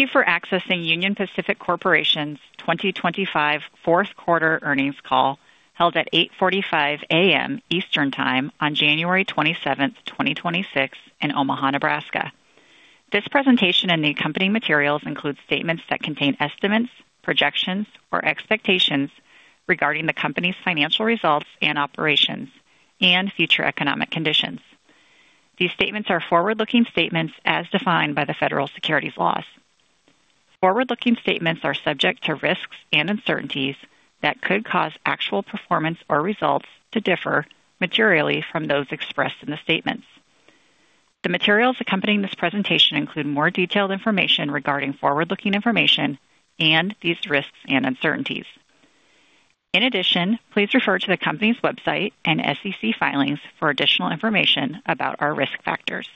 Thank you for accessing Union Pacific Corporation's 2025 fourth quarter earnings call, held at 8:45 A.M. Eastern Time on January 27, 2026, in Omaha, Nebraska. This presentation and the accompanying materials include statements that contain estimates, projections, or expectations regarding the company's financial results and operations and future economic conditions. These statements are forward-looking statements as defined by the federal securities laws. Forward-looking statements are subject to risks and uncertainties that could cause actual performance or results to differ materially from those expressed in the statements. The materials accompanying this presentation include more detailed information regarding forward-looking information and these risks and uncertainties. In addition, please refer to the company's website and SEC filings for additional information about our risk factors.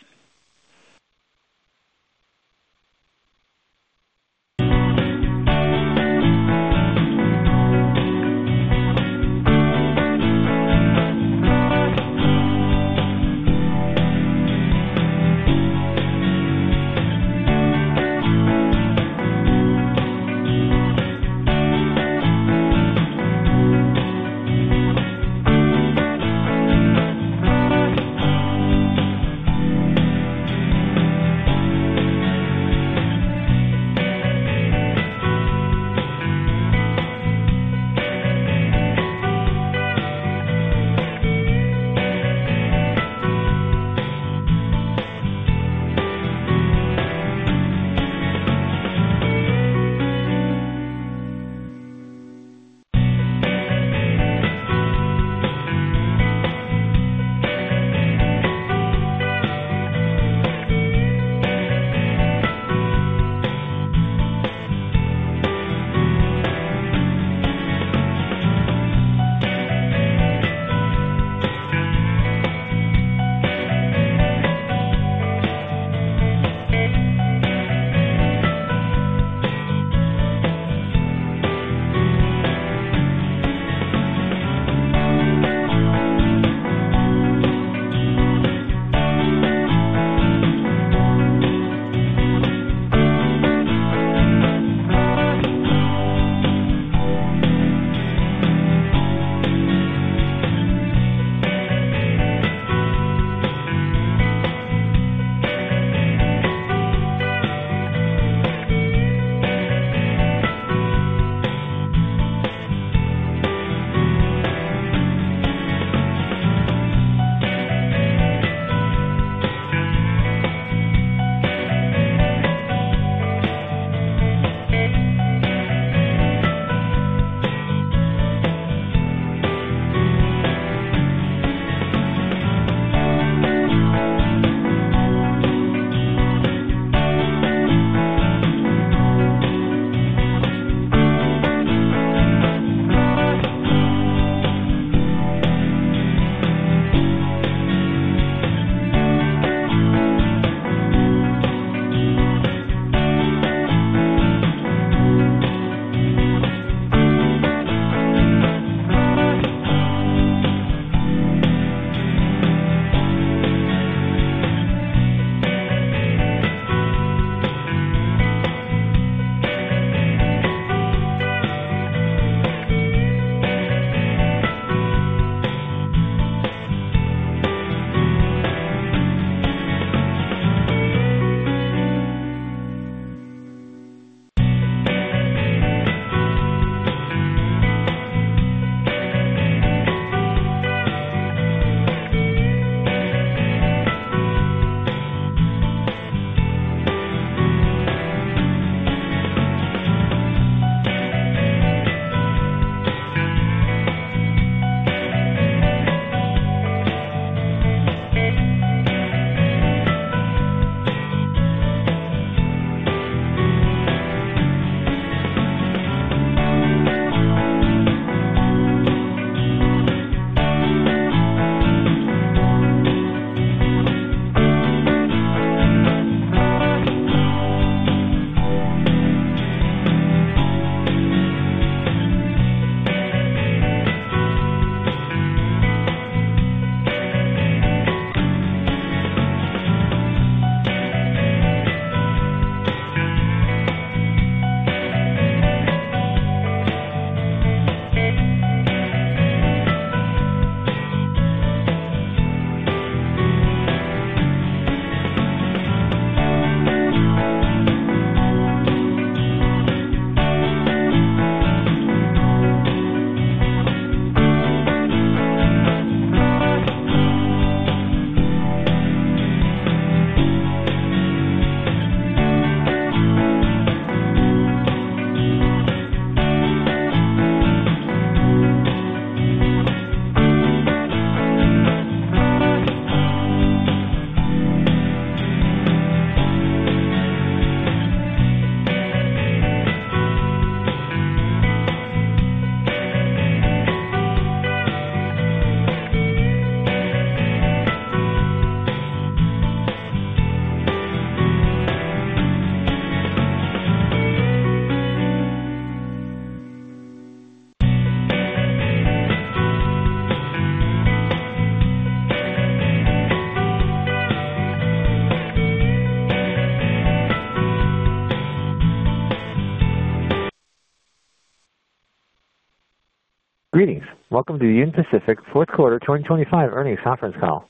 Greetings! Welcome to the Union Pacific fourth quarter 2025 earnings conference call.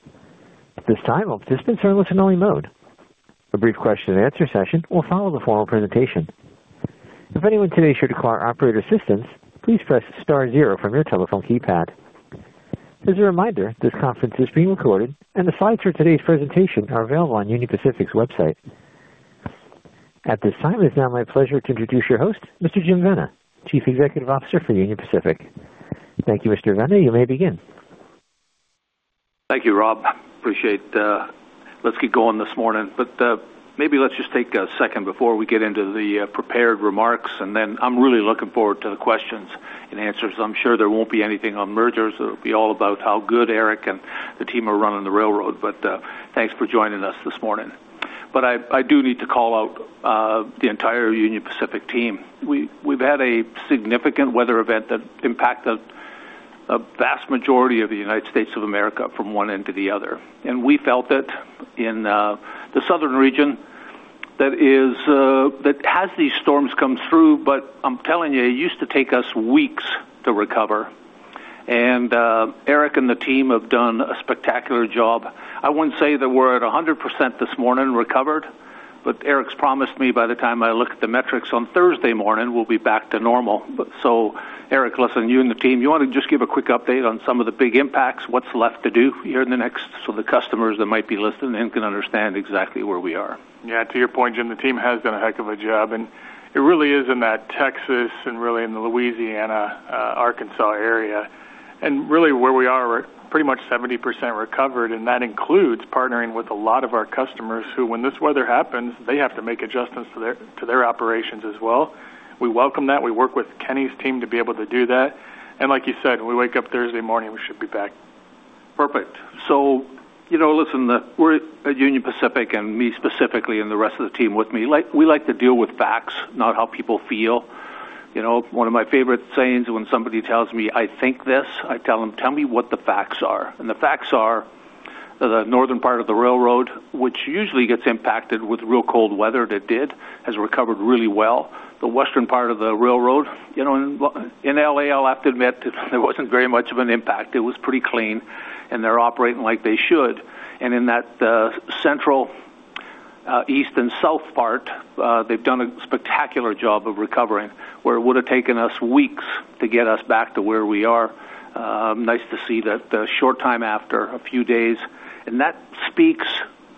At this time, all participants are in listen-only mode. A brief question-and-answer session will follow the formal presentation. If anyone today should require operator assistance, please press star zero from your telephone keypad. As a reminder, this conference is being recorded, and the slides for today's presentation are available on Union Pacific's website. At this time, it's now my pleasure to introduce your host, Mr. Jim Vena, Chief Executive Officer for Union Pacific. Thank you, Mr. Vena. You may begin. Thank you, Rob. Appreciate... Let's get going this morning, but maybe let's just take a second before we get into the prepared remarks, and then I'm really looking forward to the questions and answers. I'm sure there won't be anything on mergers. It'll be all about how good Eric and the team are running the railroad, but thanks for joining us this morning. But I do need to call out the entire Union Pacific team. We've had a significant weather event that impacted a vast majority of the United States of America from one end to the other, and we felt it in the southern region. That is, that as these storms come through, but I'm telling you, it used to take us weeks to recover, and Eric and the team have done a spectacular job. I wouldn't say that we're at 100% this morning recovered, but Eric's promised me by the time I look at the metrics on Thursday morning, we'll be back to normal. But so, Eric, listen, you and the team, you want to just give a quick update on some of the big impacts, what's left to do here in the next, so the customers that might be listening can understand exactly where we are. Yeah, to your point, Jim, the team has done a heck of a job, and it really is in that Texas and really in the Louisiana, Arkansas area, and really where we are, we're pretty much 70% recovered, and that includes partnering with a lot of our customers who, when this weather happens, they have to make adjustments to their, to their operations as well. We welcome that. We work with Kenny's team to be able to do that, and like you said, when we wake up Thursday morning, we should be back. Perfect. So, you know, listen, we're at Union Pacific and me specifically and the rest of the team with me, like, we like to deal with facts, not how people feel. You know, one of my favorite sayings, when somebody tells me, "I think this," I tell them, "Tell me what the facts are." And the facts are, the northern part of the railroad, which usually gets impacted with real cold weather, that did, has recovered really well. The western part of the railroad, you know, in LA, I'll have to admit, there wasn't very much of an impact. It was pretty clean, and they're operating like they should. And in that central, east and south part, they've done a spectacular job of recovering, where it would have taken us weeks to get us back to where we are. Nice to see that the short time after a few days, and that speaks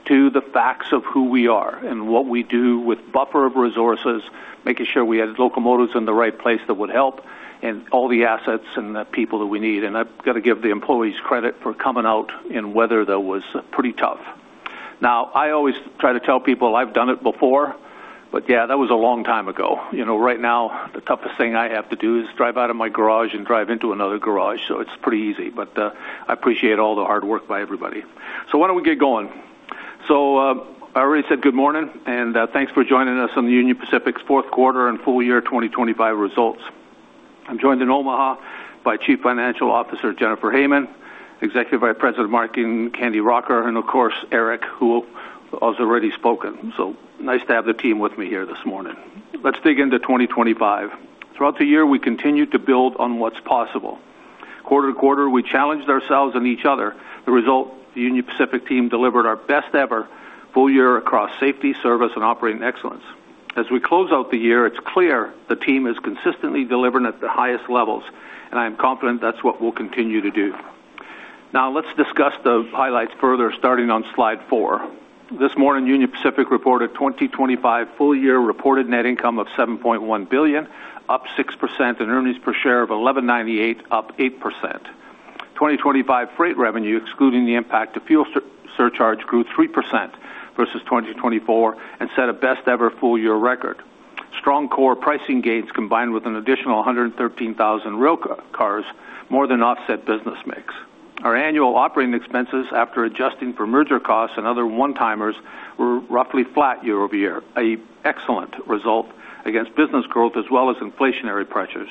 to the facts of who we are and what we do with buffer of resources, making sure we had locomotives in the right place that would help, and all the assets and the people that we need. And I've got to give the employees credit for coming out in weather that was pretty tough. Now, I always try to tell people I've done it before, but, yeah, that was a long time ago. You know, right now, the toughest thing I have to do is drive out of my garage and drive into another garage, so it's pretty easy. But, I appreciate all the hard work by everybody. So why don't we get going? So, I already said good morning, and, thanks for joining us on the Union Pacific's fourth quarter and full year 2025 results. I'm joined in Omaha by Chief Financial Officer, Jennifer Hamann, Executive Vice President of Marketing, Kenny Rocker, and of course, Eric, who has already spoken. So nice to have the team with me here this morning. Let's dig into 2025. Throughout the year, we continued to build on what's possible. Quarter to quarter, we challenged ourselves and each other. The result, the Union Pacific team delivered our best ever full year across safety, service, and operating excellence. As we close out the year, it's clear the team is consistently delivering at the highest levels, and I am confident that's what we'll continue to do. Now, let's discuss the highlights further, starting on slide 4. This morning, Union Pacific reported 2025 full-year reported net income of $7.1 billion, up 6%, and earnings per share of $11.98, up 8%. 2025 freight revenue, excluding the impact of fuel surcharge, grew 3% versus 2024 and set a best ever full-year record. Strong core pricing gains, combined with an additional 113,000 rail cars, more than offset business mix. Our annual operating expenses, after adjusting for merger costs and other one-timers, were roughly flat year-over-year, an excellent result against business growth as well as inflationary pressures.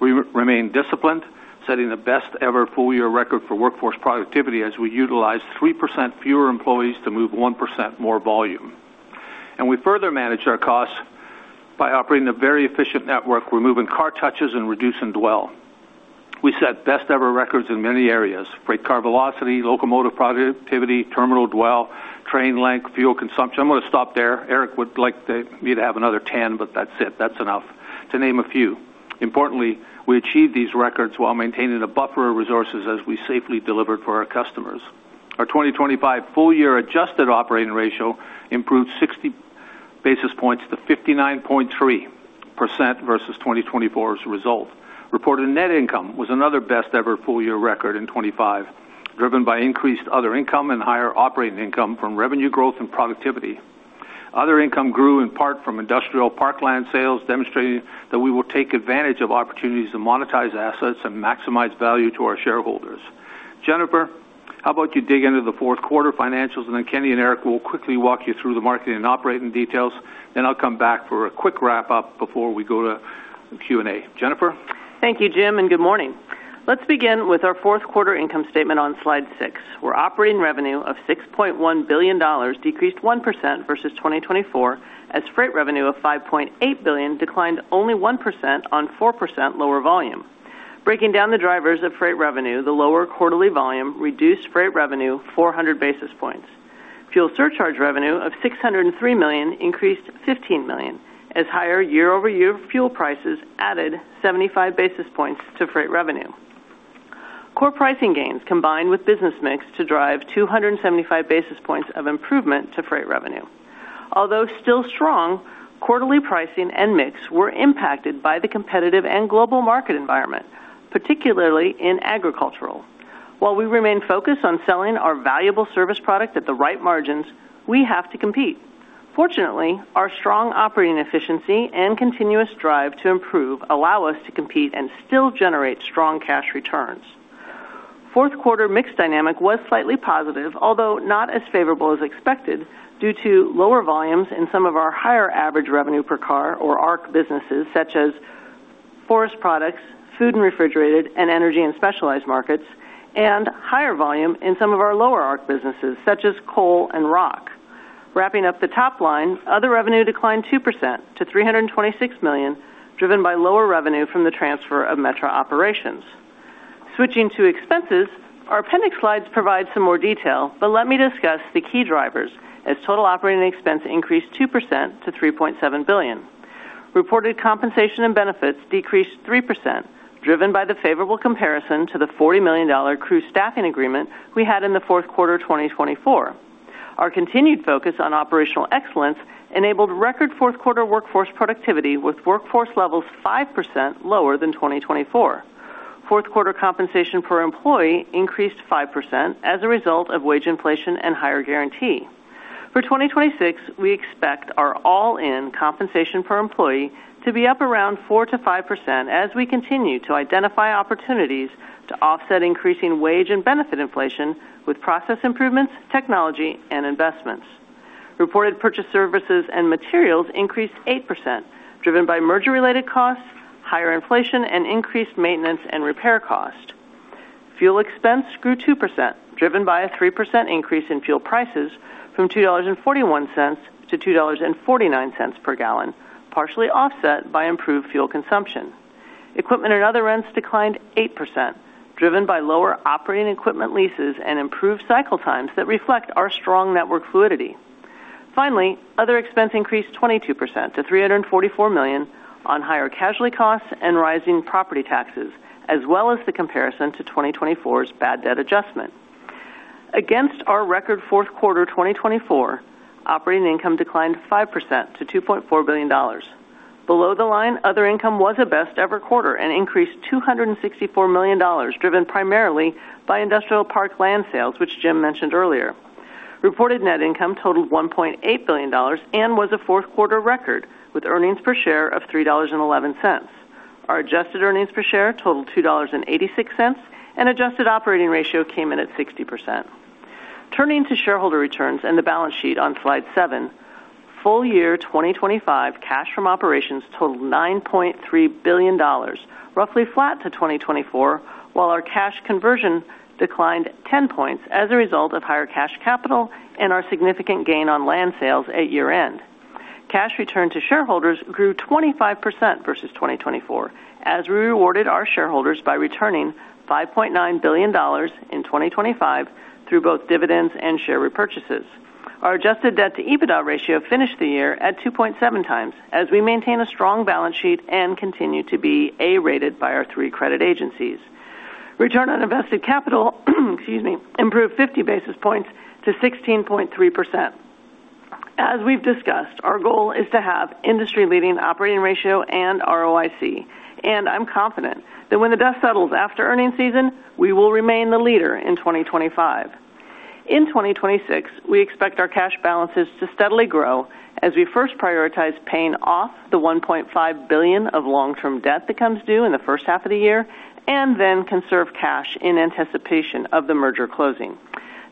We remain disciplined, setting the best ever full-year record for workforce productivity as we utilized 3% fewer employees to move 1% more volume. And we further managed our costs by operating a very efficient network, removing car touches and reducing dwell. We set best ever records in many areas: freight car velocity, locomotive productivity, terminal dwell, train length, fuel consumption. I'm going to stop there. Eric would like me to have another 10, but that's it. That's enough, to name a few. Importantly, we achieved these records while maintaining a buffer of resources as we safely delivered for our customers. Our 2025 full-year adjusted operating ratio improved 60 basis points to 59.3% versus 2024's result. Reported net income was another best ever full-year record in 2025, driven by increased other income and higher operating income from revenue growth and productivity. Other income grew in part from industrial parkland sales, demonstrating that we will take advantage of opportunities to monetize assets and maximize value to our shareholders. Jennifer, how about you dig into the fourth quarter financials, and then Kenny and Eric will quickly walk you through the marketing and operating details. Then I'll come back for a quick wrap-up before we go to the Q&A. Jennifer? Thank you, Jim, and good morning. ...Let's begin with our fourth quarter income statement on slide 6, where operating revenue of $6.1 billion decreased 1% versus 2024, as freight revenue of $5.8 billion declined only 1% on 4% lower volume. Breaking down the drivers of freight revenue, the lower quarterly volume reduced freight revenue 400 basis points. Fuel surcharge revenue of $603 million increased $15 million, as higher year-over-year fuel prices added 75 basis points to freight revenue. Core pricing gains combined with business mix to drive 275 basis points of improvement to freight revenue. Although still strong, quarterly pricing and mix were impacted by the competitive and global market environment, particularly in agricultural. While we remain focused on selling our valuable service product at the right margins, we have to compete. Fortunately, our strong operating efficiency and continuous drive to improve allow us to compete and still generate strong cash returns. Fourth quarter mix dynamic was slightly positive, although not as favorable as expected, due to lower volumes in some of our higher average revenue per car, or ARC, businesses, such as forest products, food and refrigerated, and energy and specialized markets, and higher volume in some of our lower ARC businesses, such as coal and rock. Wrapping up the top line, other revenue declined 2% to $326 million, driven by lower revenue from the transfer of Metra operations. Switching to expenses, our appendix slides provide some more detail, but let me discuss the key drivers as total operating expense increased 2% to $3.7 billion. Reported compensation and benefits decreased 3%, driven by the favorable comparison to the $40 million crew staffing agreement we had in the fourth quarter of 2024. Our continued focus on operational excellence enabled record fourth quarter workforce productivity, with workforce levels 5% lower than 2024. Fourth quarter compensation per employee increased 5% as a result of wage inflation and higher guarantee. For 2026, we expect our all-in compensation per employee to be up around 4%-5% as we continue to identify opportunities to offset increasing wage and benefit inflation with process improvements, technology, and investments. Reported purchased services and materials increased 8%, driven by merger-related costs, higher inflation, and increased maintenance and repair costs. Fuel expense grew 2%, driven by a 3% increase in fuel prices from $2.41 to $2.49 per gallon, partially offset by improved fuel consumption. Equipment and other rents declined 8%, driven by lower operating equipment leases and improved cycle times that reflect our strong network fluidity. Finally, other expense increased 22% to $344 million on higher casualty costs and rising property taxes, as well as the comparison to 2024's bad debt adjustment. Against our record fourth quarter 2024, operating income declined 5% to $2.4 billion. Below the line, other income was a best-ever quarter and increased $264 million, driven primarily by industrial park land sales, which Jim mentioned earlier. Reported net income totaled $1.8 billion and was a fourth quarter record, with earnings per share of $3.11. Our adjusted earnings per share totaled $2.86, and adjusted operating ratio came in at 60%. Turning to shareholder returns and the balance sheet on slide 7, full year 2025 cash from operations totaled $9.3 billion, roughly flat to 2024, while our cash conversion declined 10 points as a result of higher cash capital and our significant gain on land sales at year-end. Cash return to shareholders grew 25% versus 2024, as we rewarded our shareholders by returning $5.9 billion in 2025 through both dividends and share repurchases. Our adjusted debt to EBITDA ratio finished the year at 2.7 times, as we maintain a strong balance sheet and continue to be A-rated by our three credit agencies. Return on invested capital, excuse me, improved 50 basis points to 16.3%. As we've discussed, our goal is to have industry-leading operating ratio and ROIC, and I'm confident that when the dust settles after earnings season, we will remain the leader in 2025. In 2026, we expect our cash balances to steadily grow as we first prioritize paying off the $1.5 billion of long-term debt that comes due in the first half of the year, and then conserve cash in anticipation of the merger closing.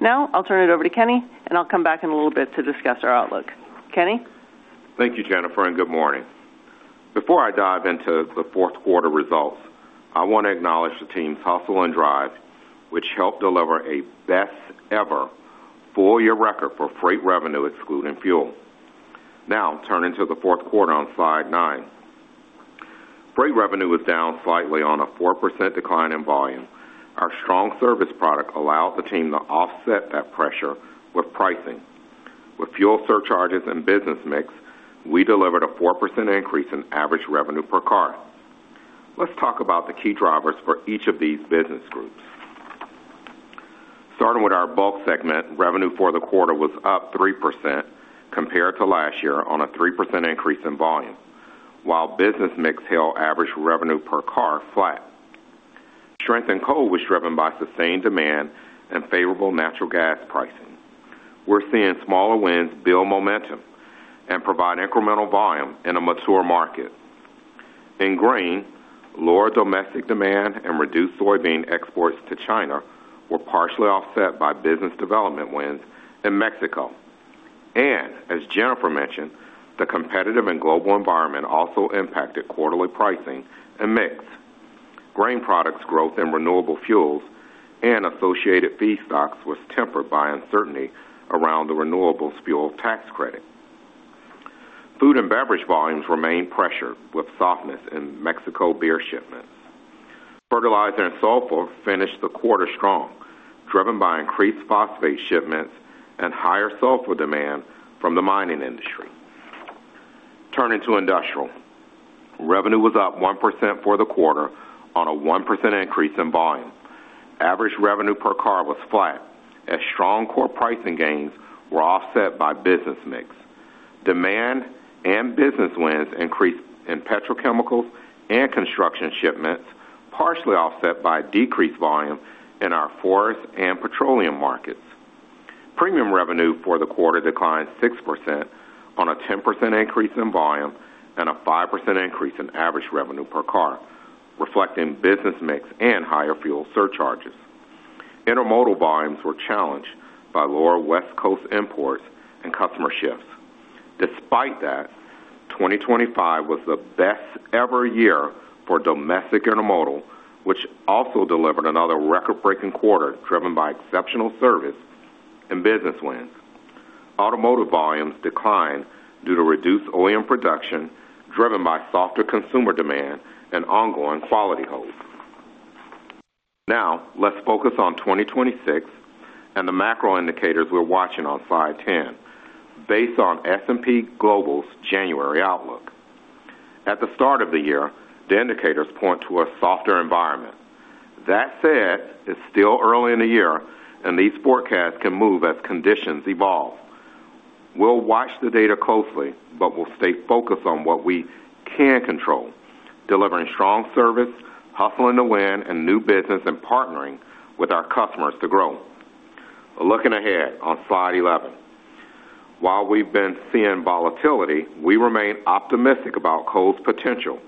Now I'll turn it over to Kenny, and I'll come back in a little bit to discuss our outlook. Kenny? Thank you, Jennifer, and good morning. Before I dive into the fourth quarter results, I want to acknowledge the team's hustle and drive, which helped deliver a best-ever full-year record for freight revenue, excluding fuel. Now, turning to the fourth quarter on slide 9. Freight revenue was down slightly on a 4% decline in volume. Our strong service product allowed the team to offset that pressure with pricing. With fuel surcharges and business mix, we delivered a 4% increase in average revenue per car. Let's talk about the key drivers for each of these business groups. Starting with our bulk segment, revenue for the quarter was up 3% compared to last year on a 3% increase in volume, while business mix held average revenue per car flat. Strength in coal was driven by sustained demand and favorable natural gas pricing. We're seeing smaller wins build momentum and provide incremental volume in a mature market. In grain, lower domestic demand and reduced soybean exports to China were partially offset by business development wins in Mexico. And as Jennifer mentioned, the competitive and global environment also impacted quarterly pricing and mix. Grain products growth in renewable fuels and associated feedstocks was tempered by uncertainty around the renewable fuel tax credit. Food and beverage volumes remained pressured, with softness in Mexico beer shipments. Fertilizer and sulfur finished the quarter strong, driven by increased phosphate shipments and higher sulfur demand from the mining industry. Turning to industrial, revenue was up 1% for the quarter on a 1% increase in volume. Average revenue per car was flat, as strong core pricing gains were offset by business mix. Demand and business wins increased in petrochemicals and construction shipments, partially offset by decreased volume in our forest and petroleum markets. Premium revenue for the quarter declined 6% on a 10% increase in volume and a 5% increase in average revenue per car, reflecting business mix and higher fuel surcharges. Intermodal volumes were challenged by lower West Coast imports and customer shifts. Despite that, 2025 was the best-ever year for domestic intermodal, which also delivered another record-breaking quarter, driven by exceptional service and business wins. Automotive volumes declined due to reduced OEM production, driven by softer consumer demand and ongoing quality holds. Now, let's focus on 2026 and the macro indicators we're watching on Slide 10, based on S&P Global's January outlook. At the start of the year, the indicators point to a softer environment. That said, it's still early in the year, and these forecasts can move as conditions evolve. We'll watch the data closely, but we'll stay focused on what we can control, delivering strong service, hustling to win and new business, and partnering with our customers to grow. Looking ahead on Slide 11. While we've been seeing volatility, we remain optimistic about coal's potential,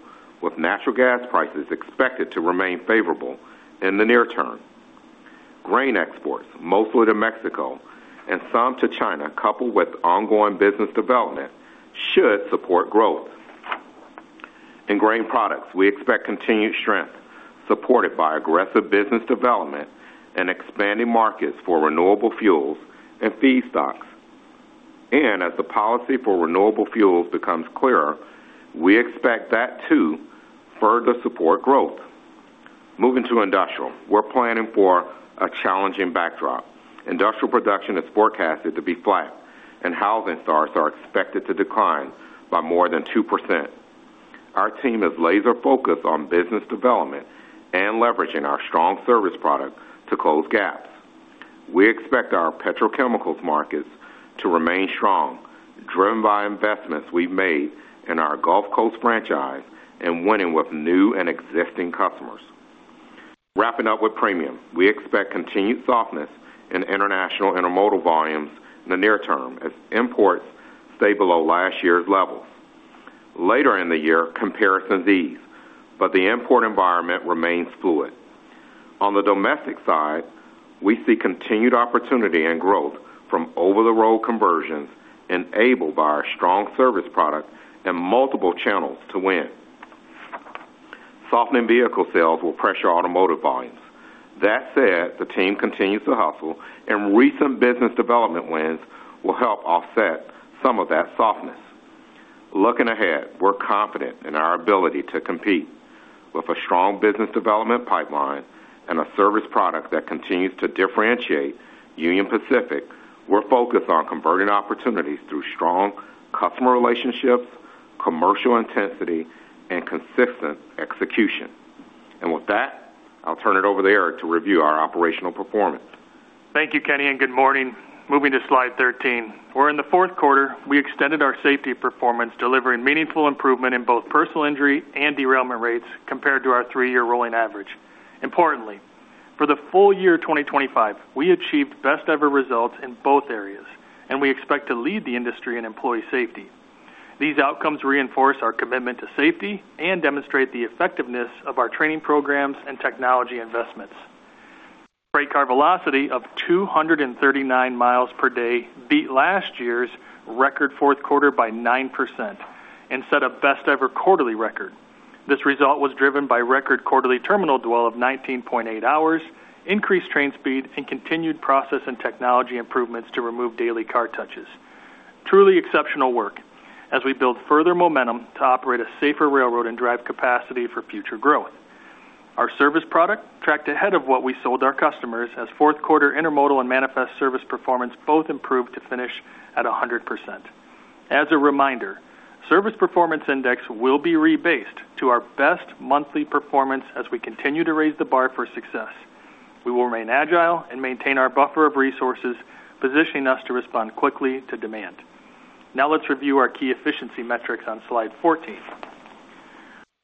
with natural gas prices expected to remain favorable in the near term. Grain exports, mostly to Mexico and some to China, coupled with ongoing business development, should support growth. In grain products, we expect continued strength, supported by aggressive business development and expanding markets for renewable fuels and feedstocks. And as the policy for renewable fuels becomes clearer, we expect that too, further support growth. Moving to industrial, we're planning for a challenging backdrop. Industrial production is forecasted to be flat, and housing starts are expected to decline by more than 2%. Our team is laser-focused on business development and leveraging our strong service product to close gaps. We expect our petrochemicals markets to remain strong, driven by investments we've made in our Gulf Coast franchise and winning with new and existing customers. Wrapping up with premium, we expect continued softness in international intermodal volumes in the near term as imports stay below last year's levels. Later in the year, comparisons ease, but the import environment remains fluid. On the domestic side, we see continued opportunity and growth from over-the-road conversions, enabled by our strong service product and multiple channels to win. Softening vehicle sales will pressure automotive volumes. That said, the team continues to hustle, and recent business development wins will help offset some of that softness. Looking ahead, we're confident in our ability to compete. With a strong business development pipeline and a service product that continues to differentiate Union Pacific, we're focused on converting opportunities through strong customer relationships, commercial intensity, and consistent execution. With that, I'll turn it over to Eric to review our operational performance. Thank you, Kenny, and good morning. Moving to Slide 13, where in the fourth quarter, we extended our safety performance, delivering meaningful improvement in both personal injury and derailment rates compared to our 3-year rolling average. Importantly, for the full year 2025, we achieved best-ever results in both areas, and we expect to lead the industry in employee safety. These outcomes reinforce our commitment to safety and demonstrate the effectiveness of our training programs and technology investments. Freight car velocity of 239 miles per day beat last year's record fourth quarter by 9% and set a best-ever quarterly record. This result was driven by record quarterly terminal dwell of 19.8 hours, increased train speed, and continued process and technology improvements to remove daily car touches. Truly exceptional work as we build further momentum to operate a safer railroad and drive capacity for future growth. Our service product tracked ahead of what we sold our customers, as fourth quarter intermodal and manifest service performance both improved to finish at 100%. As a reminder, Service Performance Index will be rebased to our best monthly performance as we continue to raise the bar for success. We will remain agile and maintain our buffer of resources, positioning us to respond quickly to demand. Now, let's review our key efficiency metrics on Slide 14.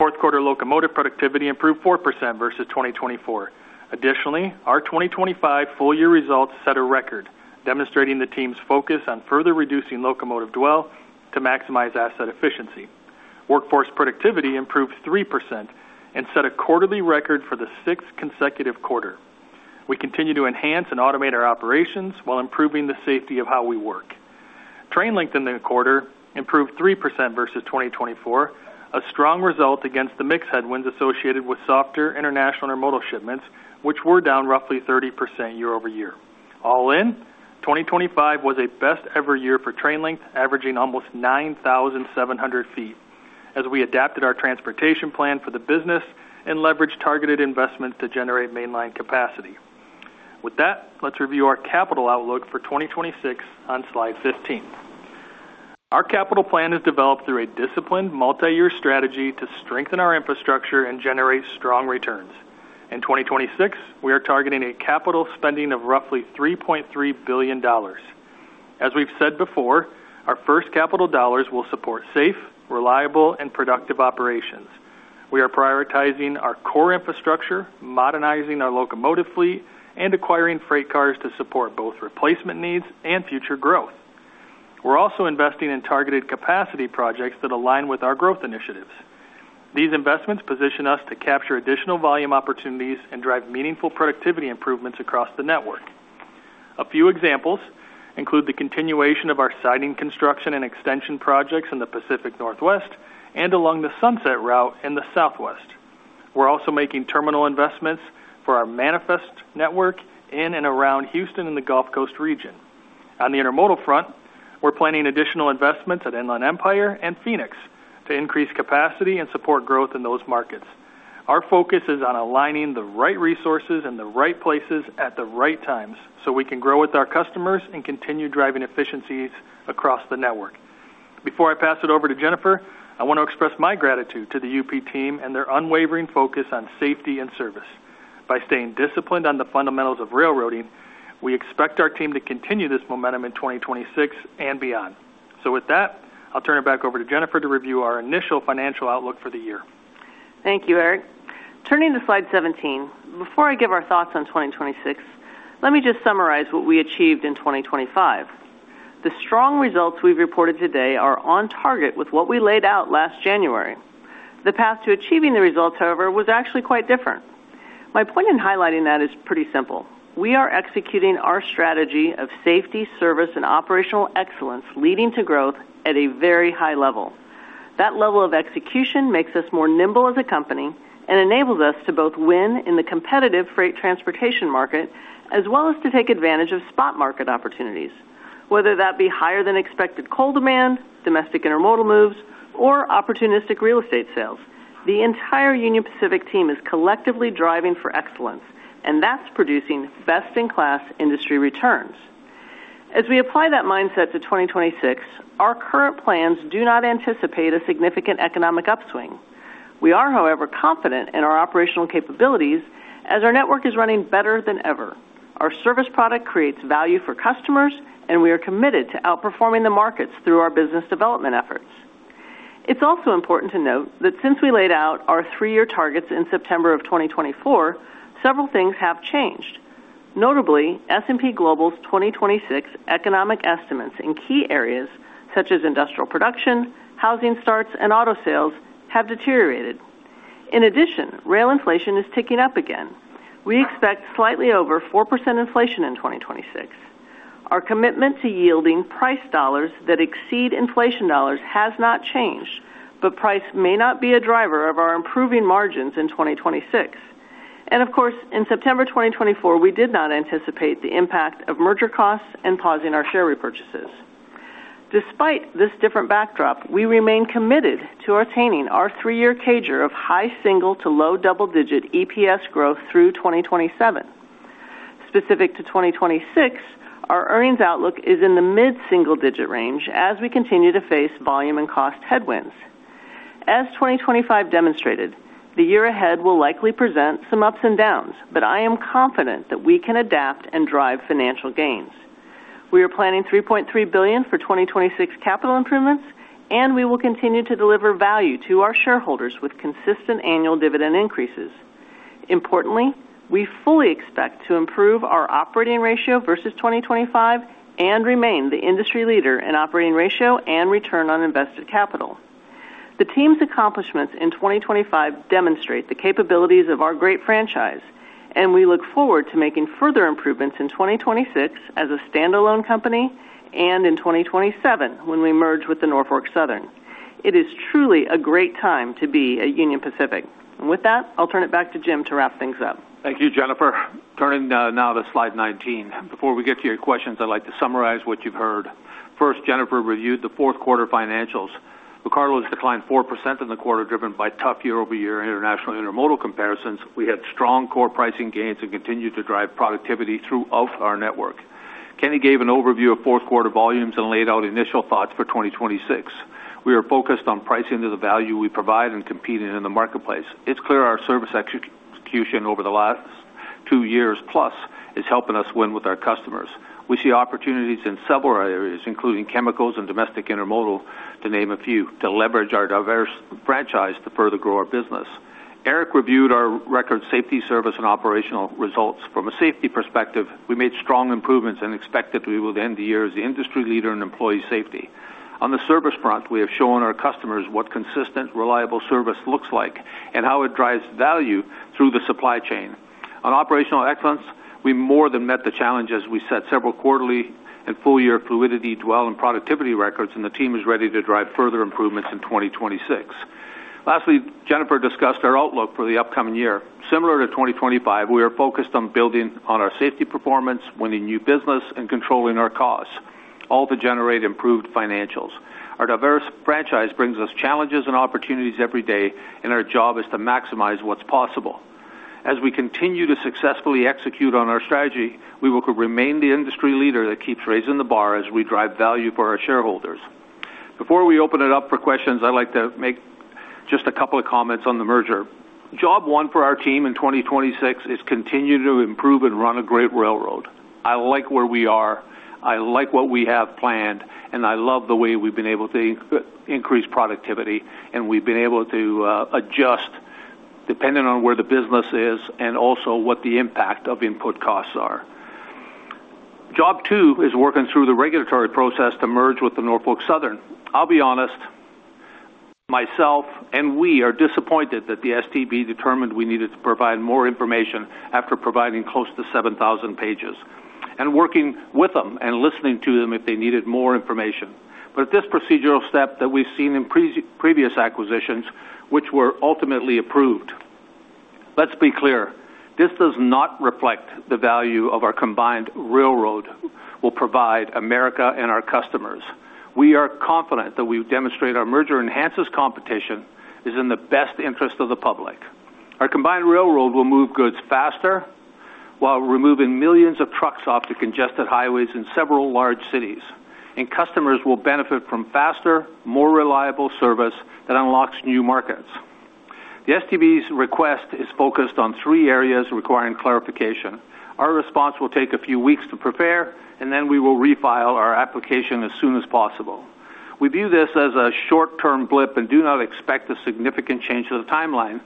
Fourth quarter locomotive productivity improved 4% versus 2024. Additionally, our 2025 full-year results set a record, demonstrating the team's focus on further reducing locomotive dwell to maximize asset efficiency. Workforce productivity improved 3% and set a quarterly record for the sixth consecutive quarter.... We continue to enhance and automate our operations while improving the safety of how we work. Train length in the quarter improved 3% versus 2024, a strong result against the mix headwinds associated with softer international intermodal shipments, which were down roughly 30% year-over-year. All in, 2025 was a best-ever year for train length, averaging almost 9,700 feet, as we adapted our transportation plan for the business and leveraged targeted investments to generate mainline capacity. With that, let's review our capital outlook for 2026 on slide 15. Our capital plan is developed through a disciplined multi-year strategy to strengthen our infrastructure and generate strong returns. In 2026, we are targeting a capital spending of roughly $3.3 billion. As we've said before, our first capital dollars will support safe, reliable, and productive operations. We are prioritizing our core infrastructure, modernizing our locomotive fleet, and acquiring freight cars to support both replacement needs and future growth. We're also investing in targeted capacity projects that align with our growth initiatives. These investments position us to capture additional volume opportunities and drive meaningful productivity improvements across the network. A few examples include the continuation of our siding construction and extension projects in the Pacific Northwest and along the Sunset Route in the Southwest. We're also making terminal investments for our manifest network in and around Houston and the Gulf Coast region. On the intermodal front, we're planning additional investments at Inland Empire and Phoenix to increase capacity and support growth in those markets. Our focus is on aligning the right resources in the right places at the right times, so we can grow with our customers and continue driving efficiencies across the network. Before I pass it over to Jennifer, I want to express my gratitude to the UP team and their unwavering focus on safety and service. By staying disciplined on the fundamentals of railroading, we expect our team to continue this momentum in 2026 and beyond. So with that, I'll turn it back over to Jennifer to review our initial financial outlook for the year. Thank you, Eric. Turning to slide 17, before I give our thoughts on 2026, let me just summarize what we achieved in 2025. The strong results we've reported today are on target with what we laid out last January. The path to achieving the results, however, was actually quite different. My point in highlighting that is pretty simple. We are executing our strategy of safety, service, and operational excellence, leading to growth at a very high level. That level of execution makes us more nimble as a company and enables us to both win in the competitive freight transportation market, as well as to take advantage of spot market opportunities, whether that be higher than expected coal demand, domestic intermodal moves, or opportunistic real estate sales. The entire Union Pacific team is collectively driving for excellence, and that's producing best-in-class industry returns. As we apply that mindset to 2026, our current plans do not anticipate a significant economic upswing. We are, however, confident in our operational capabilities as our network is running better than ever. Our service product creates value for customers, and we are committed to outperforming the markets through our business development efforts. It's also important to note that since we laid out our three-year targets in September of 2024, several things have changed. Notably, S&P Global's 2026 economic estimates in key areas such as industrial production, housing starts, and auto sales have deteriorated. In addition, rail inflation is ticking up again. We expect slightly over 4% inflation in 2026. Our commitment to yielding price dollars that exceed inflation dollars has not changed, but price may not be a driver of our improving margins in 2026. Of course, in September 2024, we did not anticipate the impact of merger costs and pausing our share repurchases. Despite this different backdrop, we remain committed to attaining our three-year CAGR of high single- to low double-digit EPS growth through 2027. Specific to 2026, our earnings outlook is in the mid-single-digit range as we continue to face volume and cost headwinds. As 2025 demonstrated, the year ahead will likely present some ups and downs, but I am confident that we can adapt and drive financial gains. We are planning $3.3 billion for 2026 capital improvements, and we will continue to deliver value to our shareholders with consistent annual dividend increases. Importantly, we fully expect to improve our operating ratio versus 2025 and remain the industry leader in operating ratio and return on invested capital. The team's accomplishments in 2025 demonstrate the capabilities of our great franchise, and we look forward to making further improvements in 2026 as a standalone company and in 2027, when we merge with the Norfolk Southern. It is truly a great time to be at Union Pacific. With that, I'll turn it back to Jim to wrap things up. Thank you, Jennifer. Turning now to slide 19. Before we get to your questions, I'd like to summarize what you've heard. First, Jennifer reviewed the fourth quarter financials. Rail car loads declined 4% in the quarter, driven by tough year-over-year international intermodal comparisons. We had strong core pricing gains and continued to drive productivity throughout our network. Kenny gave an overview of fourth quarter volumes and laid out initial thoughts for 2026. We are focused on pricing to the value we provide and competing in the marketplace. It's clear our service execution over the last two years plus is helping us win with our customers. We see opportunities in several areas, including chemicals and domestic intermodal, to name a few, to leverage our diverse franchise to further grow our business. Eric reviewed our record safety, service, and operational results. From a safety perspective, we made strong improvements and expect that we will end the year as the industry leader in employee safety. ...On the service front, we have shown our customers what consistent, reliable service looks like and how it drives value through the supply chain. On operational excellence, we more than met the challenges. We set several quarterly and full-year fluidity, dwell, and productivity records, and the team is ready to drive further improvements in 2026. Lastly, Jennifer discussed our outlook for the upcoming year. Similar to 2025, we are focused on building on our safety performance, winning new business, and controlling our costs, all to generate improved financials. Our diverse franchise brings us challenges and opportunities every day, and our job is to maximize what's possible. As we continue to successfully execute on our strategy, we will remain the industry leader that keeps raising the bar as we drive value for our shareholders. Before we open it up for questions, I'd like to make just a couple of comments on the merger. Job one for our team in 2026 is continue to improve and run a great railroad. I like where we are, I like what we have planned, and I love the way we've been able to increase productivity, and we've been able to adjust depending on where the business is and also what the impact of input costs are. Job two is working through the regulatory process to merge with Norfolk Southern. I'll be honest, myself, and we are disappointed that the STB determined we needed to provide more information after providing close to 7,000 pages and working with them and listening to them if they needed more information. But this procedural step that we've seen in previous acquisitions, which were ultimately approved, let's be clear, this does not reflect the value of our combined railroad will provide America and our customers. We are confident that we've demonstrated our merger enhances competition is in the best interest of the public. Our combined railroad will move goods faster while removing millions of trucks off the congested highways in several large cities, and customers will benefit from faster, more reliable service that unlocks new markets. The STB's request is focused on three areas requiring clarification. Our response will take a few weeks to prepare, and then we will refile our application as soon as possible. We view this as a short-term blip and do not expect a significant change to the timeline,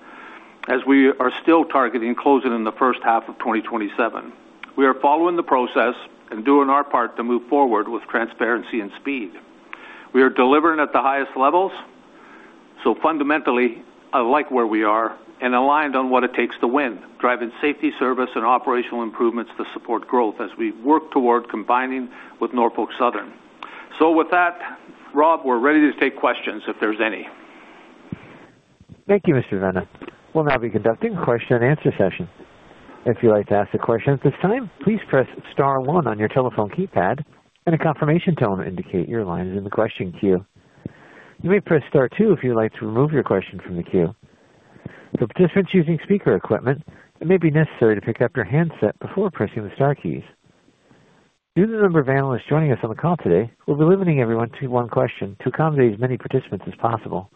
as we are still targeting closing in the first half of 2027. We are following the process and doing our part to move forward with transparency and speed. We are delivering at the highest levels, so fundamentally, I like where we are and aligned on what it takes to win, driving safety, service, and operational improvements to support growth as we work toward combining with Norfolk Southern. So with that, Rob, we're ready to take questions, if there's any. Thank you, Mr. Vena. We'll now be conducting a question-and-answer session. If you'd like to ask a question at this time, please press star one on your telephone keypad, and a confirmation tone will indicate your line is in the question queue. You may press star two if you'd like to remove your question from the queue. For participants using speaker equipment, it may be necessary to pick up your handset before pressing the star keys. Due to the number of analysts joining us on the call today, we'll be limiting everyone to one question to accommodate as many participants as possible.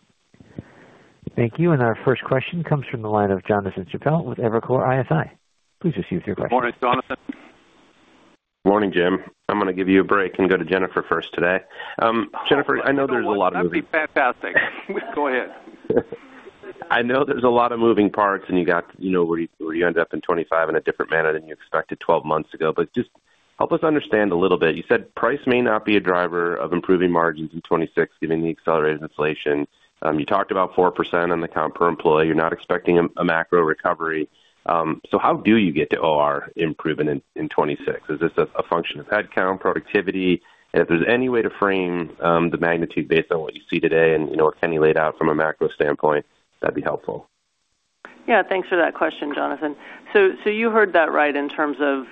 Thank you. Our first question comes from the line of Jonathan Chappell with Evercore ISI. Please receive your question. Morning, Jonathan. Morning, Jim. I'm going to give you a break and go to Jennifer first today. Jennifer, I know there's a lot of moving- That'd be fantastic. Go ahead. I know there's a lot of moving parts, and you got, you know, where you, where you end up in 2025 in a different manner than you expected 12 months ago. But just help us understand a little bit. You said price may not be a driver of improving margins in 2026, given the accelerated inflation. You talked about 4% on the comp per employee. You're not expecting a macro recovery. So how do you get to OR improvement in 2026? Is this a function of headcount, productivity? And if there's any way to frame the magnitude based on what you see today and, you know, what Kenny laid out from a macro standpoint, that'd be helpful. Yeah, thanks for that question, Jonathan. So you heard that right in terms of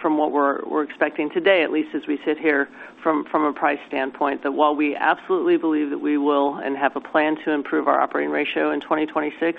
from what we're expecting today, at least as we sit here from a price standpoint, that while we absolutely believe that we will and have a plan to improve our operating ratio in 2026,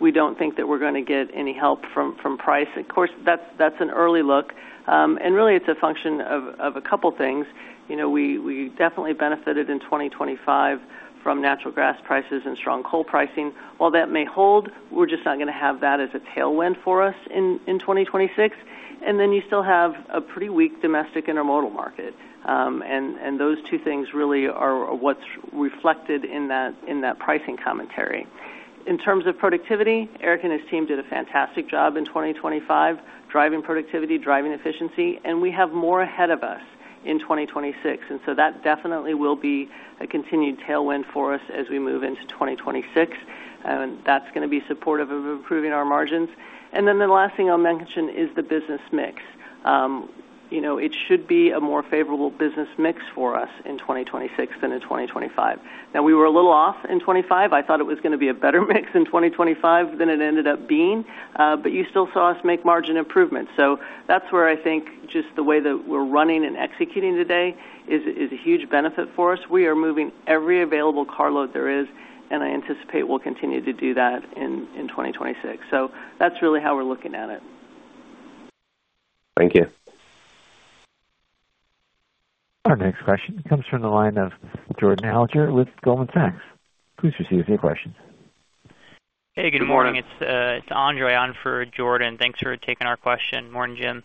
we don't think that we're gonna get any help from price. Of course, that's an early look. And really, it's a function of a couple things. You know, we definitely benefited in 2025 from natural gas prices and strong coal pricing. While that may hold, we're just not gonna have that as a tailwind for us in 2026. And then you still have a pretty weak domestic intermodal market. And those two things really are what's reflected in that pricing commentary. In terms of productivity, Eric and his team did a fantastic job in 2025, driving productivity, driving efficiency, and we have more ahead of us in 2026, and so that definitely will be a continued tailwind for us as we move into 2026. That's gonna be supportive of improving our margins. Then the last thing I'll mention is the business mix. You know, it should be a more favorable business mix for us in 2026 than in 2025. Now, we were a little off in 2025. I thought it was gonna be a better mix in 2025 than it ended up being, but you still saw us make margin improvements. That's where I think just the way that we're running and executing today is a huge benefit for us. We are moving every available carload there is, and I anticipate we'll continue to do that in 2026. So that's really how we're looking at it. Thank you. Our next question comes from the line of Jordan Alliger with Goldman Sachs. Please receive your question. Hey, good morning. Good morning. It's it's Andre on for Jordan. Thanks for taking our question. Morning, Jim.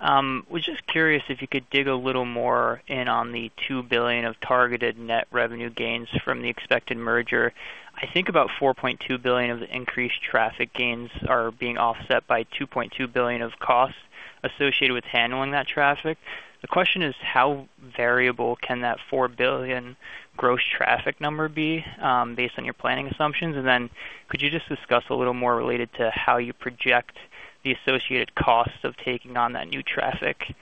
Was just curious if you could dig a little more in on the $2 billion of targeted net revenue gains from the expected merger. I think about $4.2 billion of the increased traffic gains are being offset by $2.2 billion of costs associated with handling that traffic. The question is, how variable can that $4 billion gross traffic number be, based on your planning assumptions? And then could you just discuss a little more related to how you project the associated costs of taking on that new traffic,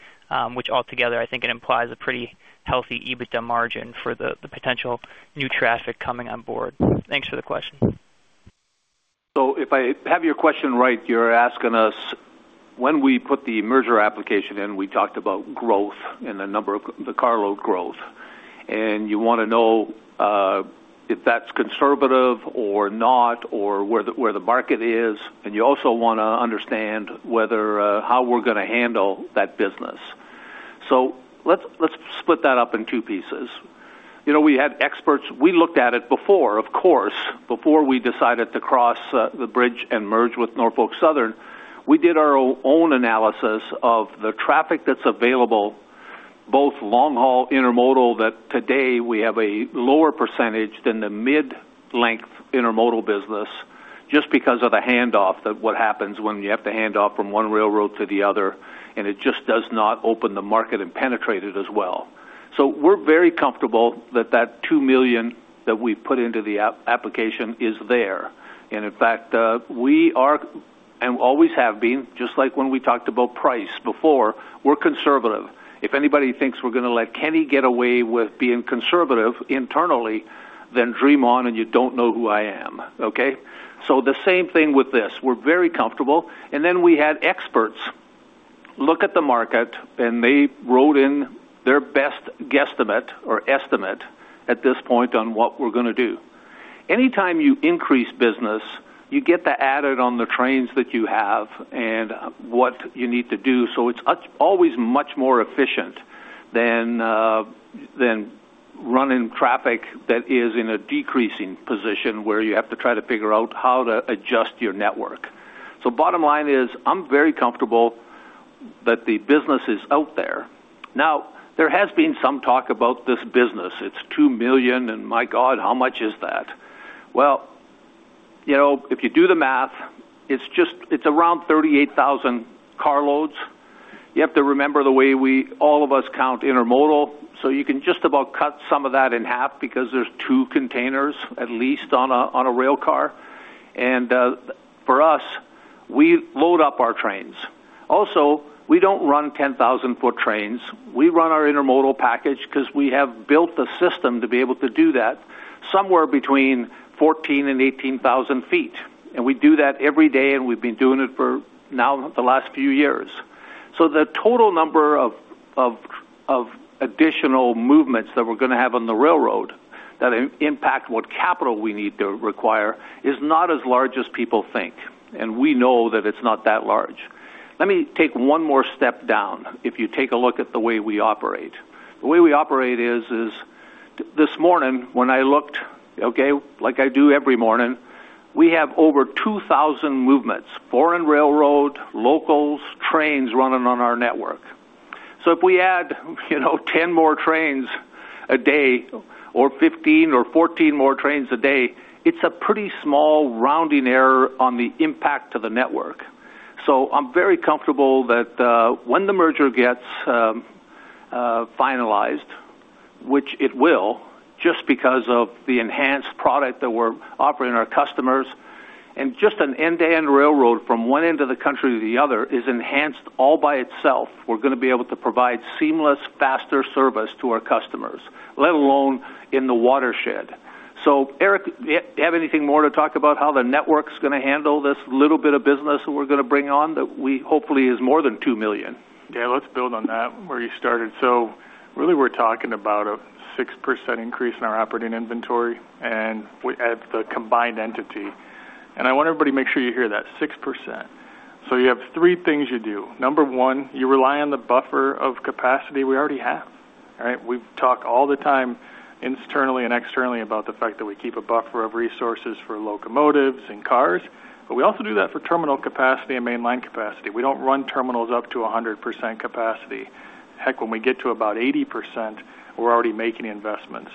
which altogether, I think it implies a pretty healthy EBITDA margin for the potential new traffic coming on board? Thanks for the question. So if I have your question right, you're asking us when we put the merger application in, we talked about growth and the number of the carload growth, and you want to know if that's conservative or not, or where the market is, and you also want to understand whether how we're going to handle that business. So let's split that up in two pieces. You know, we had experts. We looked at it before, of course, before we decided to cross the bridge and merge with Norfolk Southern. We did our own analysis of the traffic that's available, both long-haul intermodal, that today we have a lower percentage than the mid-length intermodal business, just because of the handoff, of what happens when you have to hand off from one railroad to the other, and it just does not open the market and penetrate it as well. So we're very comfortable that that 2 million that we've put into the application is there. And in fact, we are, and always have been, just like when we talked about price before, we're conservative. If anybody thinks we're going to let Kenny get away with being conservative internally, then dream on, and you don't know who I am, okay? So the same thing with this, we're very comfortable. And then we had experts look at the market, and they wrote in their best guesstimate or estimate at this point on what we're going to do. Anytime you increase business, you get that added on the trains that you have and what you need to do. So it's always much more efficient than than running traffic that is in a decreasing position, where you have to try to figure out how to adjust your network. So bottom line is, I'm very comfortable that the business is out there. Now, there has been some talk about this business. It's $2 million, and my God, how much is that? Well, you know, if you do the math, it's just, it's around 38,000 carloads. You have to remember the way we, all of us count intermodal, so you can just about cut some of that in half because there's two containers, at least on a, on a rail car. And, for us, we load up our trains. Also, we don't run 10,000-foot trains. We run our intermodal package because we have built the system to be able to do that somewhere between 14,000 and 18,000 feet. And we do that every day, and we've been doing it for now the last few years. So the total number of additional movements that we're going to have on the railroad that impact what capital we need to require is not as large as people think, and we know that it's not that large. Let me take one more step down if you take a look at the way we operate. The way we operate is this morning when I looked, okay, like I do every morning, we have over 2,000 movements, foreign railroad, locals, trains running on our network. So if we add, you know, 10 more trains a day or 15 or 14 more trains a day, it's a pretty small rounding error on the impact to the network. So I'm very comfortable that when the merger gets finalized, which it will, just because of the enhanced product that we're offering our customers and just an end-to-end railroad from one end of the country to the other is enhanced all by itself. We're going to be able to provide seamless, faster service to our customers, let alone in the watershed. So, Eric, do you have anything more to talk about how the network's going to handle this little bit of business that we're going to bring on, that we hopefully is more than 2 million? Yeah, let's build on that, where you started. So really, we're talking about a 6% increase in our operating inventory, and we add the combined entity, and I want everybody to make sure you hear that 6%. So you have three things you do. Number one, you rely on the buffer of capacity we already have, all right? We talk all the time, internally and externally, about the fact that we keep a buffer of resources for locomotives and cars, but we also do that for terminal capacity and mainline capacity. We don't run terminals up to 100% capacity. Heck, when we get to about 80%, we're already making investments.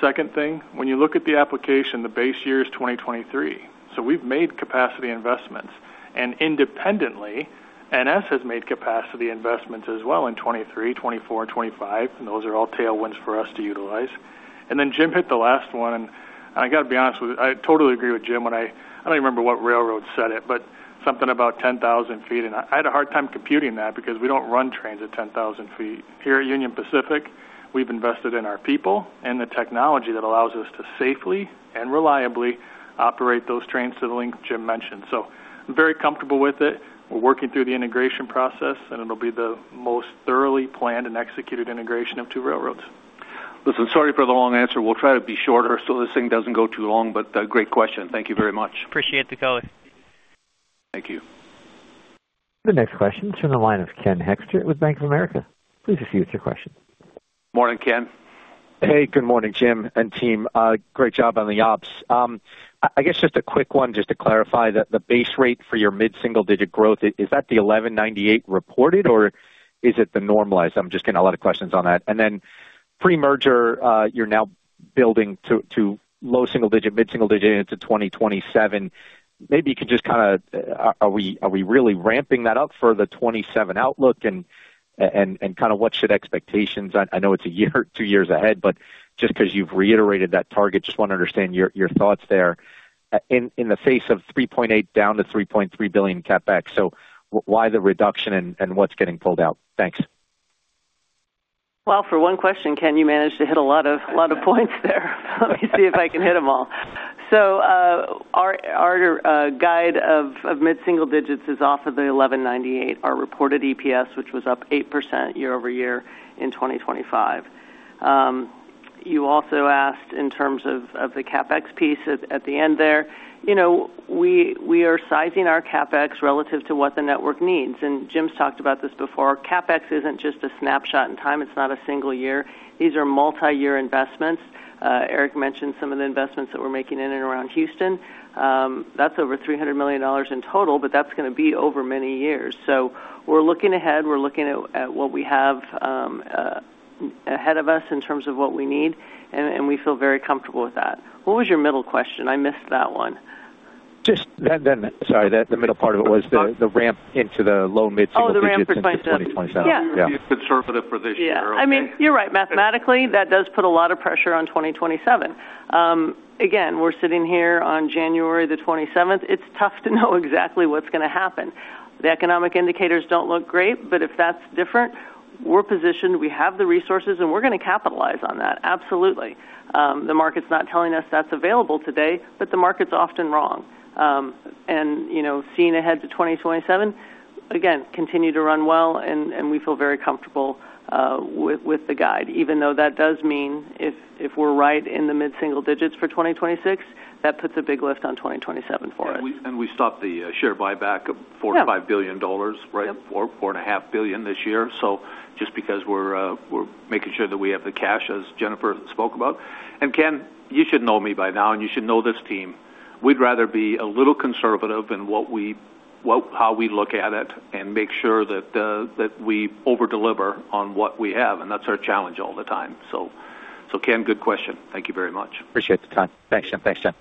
Second thing, when you look at the application, the base year is 2023, so we've made capacity investments. Independently, NS has made capacity investments as well in 2023, 2024 and 2025, and those are all tailwinds for us to utilize. Then Jim hit the last one, and I got to be honest with you, I totally agree with Jim. When I- I don't remember what railroad said it, but something about 10,000 feet, and I had a hard time computing that because we don't run trains at 10,000 feet. Here at Union Pacific, we've invested in our people and the technology that allows us to safely and reliably operate those trains to the length Jim mentioned. So I'm very comfortable with it. We're working through the integration process, and it'll be the most thoroughly planned and executed integration of two railroads. Listen, sorry for the long answer. We'll try to be shorter so this thing doesn't go too long, but, great question. Thank you very much. Appreciate the color. Thank you. The next question is from the line of Ken Hoexter with Bank of America. Please proceed with your question... Morning, Ken. Hey, good morning, Jim and team. Great job on the ops. I guess just a quick one, just to clarify that the base rate for your mid-single digit growth, is that the 11.98 reported or is it the normalized? I'm just getting a lot of questions on that. And then pre-merger, you're now building to low single digit, mid-single digit into 2027. Maybe you could just kind of, are we really ramping that up for the 2027 outlook? And kind of what should expectations be? I know it's a year, two years ahead, but just because you've reiterated that target, just want to understand your thoughts there, in the face of $3.8 billion down to $3.3 billion CapEx. So why the reduction and what's getting pulled out? Thanks. Well, for one question, Ken, you managed to hit a lot of points there. Let me see if I can hit them all. So, our guide of mid-single digits is off of the $11.98, our reported EPS, which was up 8% year-over-year in 2025. You also asked in terms of the CapEx piece at the end there. You know, we are sizing our CapEx relative to what the network needs, and Jim's talked about this before. CapEx isn't just a snapshot in time. It's not a single year. These are multiyear investments. Eric mentioned some of the investments that we're making in and around Houston. That's over $300 million in total, but that's going to be over many years. So we're looking ahead. We're looking at what we have ahead of us in terms of what we need, and we feel very comfortable with that. What was your middle question? I missed that one. Sorry, the middle part of it was the ramp into the low mid-single digits- Oh, the ramp for 2027. Twenty twenty-seven. Yeah. Be conservative for this year, okay? I mean, you're right. Mathematically, that does put a lot of pressure on 2027. Again, we're sitting here on January the 27th. It's tough to know exactly what's going to happen. The economic indicators don't look great, but if that's different, we're positioned, we have the resources, and we're going to capitalize on that. Absolutely. The market's not telling us that's available today, but the market's often wrong. And, you know, seeing ahead to 2027, again, continue to run well, and we feel very comfortable with the guide, even though that does mean if we're right in the mid-single digits for 2026, that puts a big lift on 2027 for us. We stopped the share buyback of $4 billion-$5 billion, right? Yep. $4-$4.5 billion this year. So just because we're, we're making sure that we have the cash, as Jennifer spoke about. And Ken, you should know me by now, and you should know this team. We'd rather be a little conservative in what we, what, how we look at it and make sure that, that we over-deliver on what we have, and that's our challenge all the time. So, so Ken, good question. Thank you very much. Appreciate the time. Thanks, Jim. Thanks, Jim.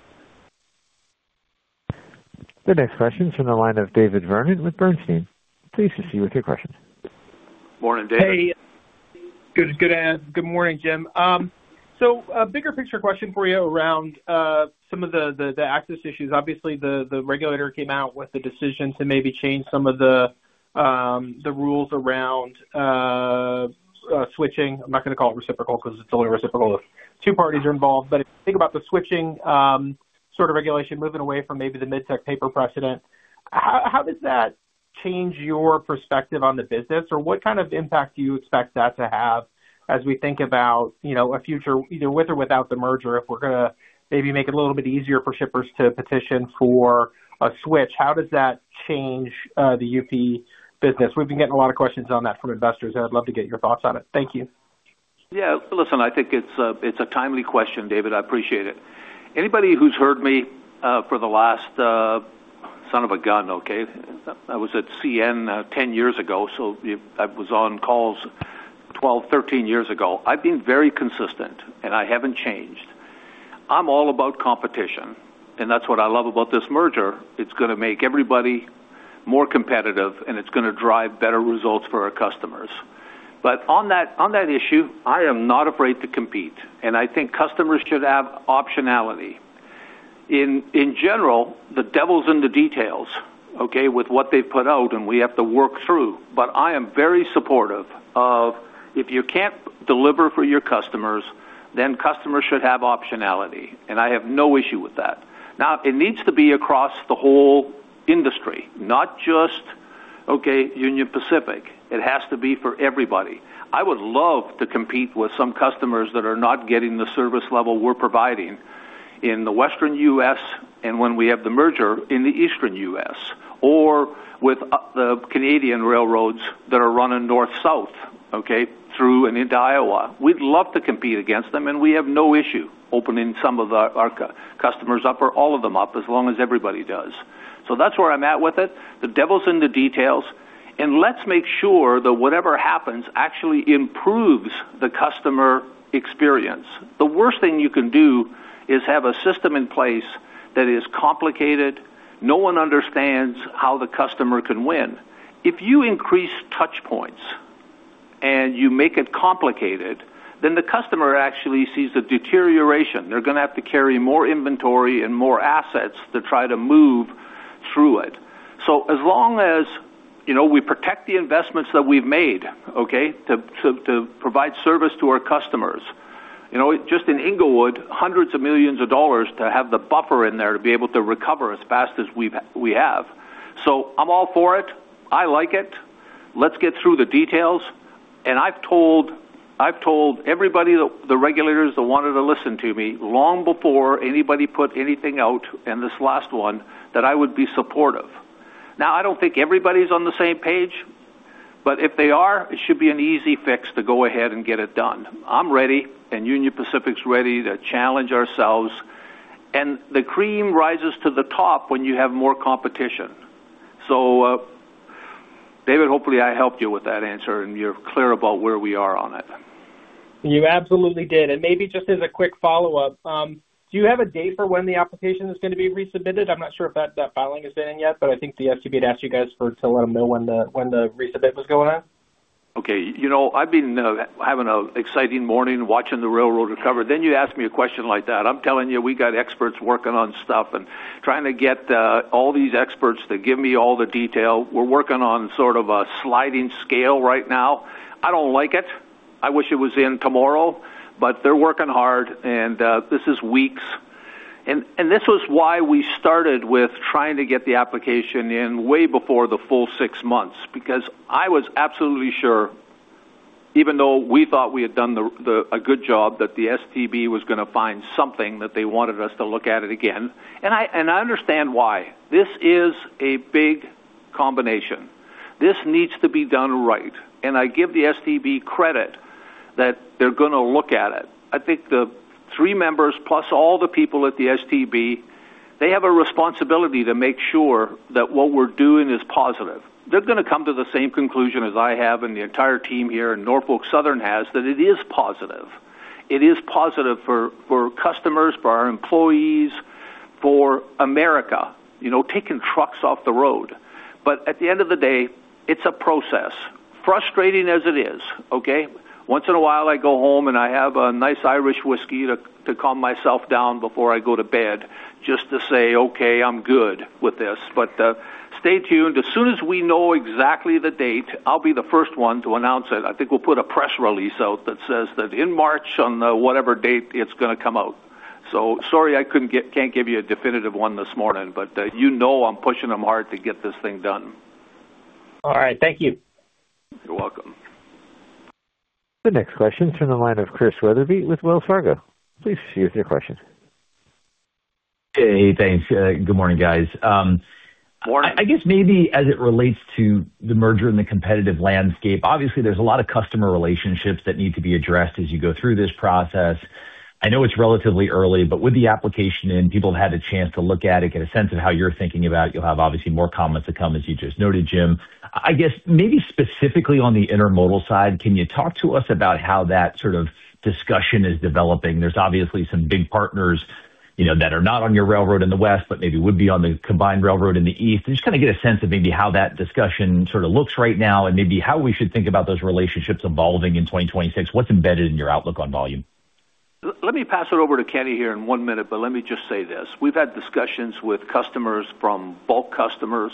The next question is from the line of David Vernon with Bernstein. Please proceed with your question. Morning, David. Hey. Good, good, good morning, Jim. So a bigger picture question for you around some of the access issues. Obviously, the regulator came out with a decision to maybe change some of the rules around switching. I'm not going to call it reciprocal because it's only reciprocal if two parties are involved. But if you think about the switching sort of regulation, moving away from maybe the Midtec Paper precedent, how does that change your perspective on the business? Or what kind of impact do you expect that to have as we think about, you know, a future, either with or without the merger, if we're going to maybe make it a little bit easier for shippers to petition for a switch, how does that change the UP business? We've been getting a lot of questions on that from investors, and I'd love to get your thoughts on it. Thank you. Yeah. Listen, I think it's a timely question, David. I appreciate it. Anybody who's heard me for the last son of a gun, okay, I was at CN 10 years ago, so if I was on calls 12, 13 years ago, I've been very consistent, and I haven't changed. I'm all about competition, and that's what I love about this merger. It's going to make everybody more competitive, and it's going to drive better results for our customers. But on that issue, I am not afraid to compete, and I think customers should have optionality. In general, the devil's in the details, okay, with what they've put out and we have to work through. But I am very supportive of, if you can't deliver for your customers, then customers should have optionality, and I have no issue with that. Now, it needs to be across the whole industry, not just, okay, Union Pacific. It has to be for everybody. I would love to compete with some customers that are not getting the service level we're providing in the Western U.S., and when we have the merger in the Eastern U.S., or with the Canadian railroads that are running north-south, okay, through and into Iowa. We'd love to compete against them, and we have no issue opening some of our customers up or all of them up, as long as everybody does. So that's where I'm at with it. The devil's in the details, and let's make sure that whatever happens actually improves the customer experience. The worst thing you can do is have a system in place that is complicated. No one understands how the customer can win. If you increase touch points and you make it complicated, then the customer actually sees the deterioration. They're going to have to carry more inventory and more assets to try to move through it. So as long as, you know, we protect the investments that we've made, okay, to provide service to our customers, you know, just in Englewood, $hundreds of millions to have the buffer in there to be able to recover as fast as we have. So I'm all for it. I like it. Let's get through the details, and I've told everybody, the regulators that wanted to listen to me, long before anybody put anything out, and this last one, that I would be supportive. Now, I don't think everybody's on the same page, but if they are, it should be an easy fix to go ahead and get it done. I'm ready, and Union Pacific's ready to challenge ourselves, and the cream rises to the top when you have more competition. So, David, hopefully, I helped you with that answer, and you're clear about where we are on it. You absolutely did. Maybe just as a quick follow-up, do you have a date for when the application is gonna be resubmitted? I'm not sure if that filing is in yet, but I think the STB had asked you guys to let them know when the resubmit was going on. Okay, you know, I've been having an exciting morning watching the railroad recover. Then you ask me a question like that. I'm telling you, we got experts working on stuff and trying to get all these experts to give me all the detail. We're working on sort of a sliding scale right now. I don't like it. I wish it was in tomorrow, but they're working hard, and this is weeks. And this was why we started with trying to get the application in way before the full six months, because I was absolutely sure, even though we thought we had done a good job, that the STB was gonna find something, that they wanted us to look at it again. And I understand why. This is a big combination. This needs to be done right, and I give the STB credit that they're gonna look at it. I think the three members, plus all the people at the STB, they have a responsibility to make sure that what we're doing is positive. They're gonna come to the same conclusion as I have, and the entire team here, and Norfolk Southern has, that it is positive. It is positive for customers, for our employees, for America, you know, taking trucks off the road. But at the end of the day, it's a process. Frustrating as it is, okay? Once in a while, I go home and I have a nice Irish whiskey to calm myself down before I go to bed, just to say, "Okay, I'm good with this." But, stay tuned. As soon as we know exactly the date, I'll be the first one to announce it. I think we'll put a press release out that says that in March, on whatever date it's gonna come out. So sorry, I can't give you a definitive one this morning, but you know I'm pushing them hard to get this thing done. All right, thank you. You're welcome. The next question is from the line of Chris Wetherbee with Wells Fargo. Please proceed with your question. Hey, thanks. Good morning, guys. Morning. I guess maybe as it relates to the merger and the competitive landscape, obviously, there's a lot of customer relationships that need to be addressed as you go through this process. I know it's relatively early, but with the application in, people have had a chance to look at it, get a sense of how you're thinking about it. You'll have, obviously, more comments to come, as you just noted, Jim. I guess maybe specifically on the intermodal side, can you talk to us about how that sort of discussion is developing? There's obviously some big partners, you know, that are not on your railroad in the West, but maybe would be on the combined railroad in the East. And just kind of get a sense of maybe how that discussion sort of looks right now, and maybe how we should think about those relationships evolving in 2026. What's embedded in your outlook on volume? Let me pass it over to Kenny here in one minute, but let me just say this. We've had discussions with customers, from bulk customers,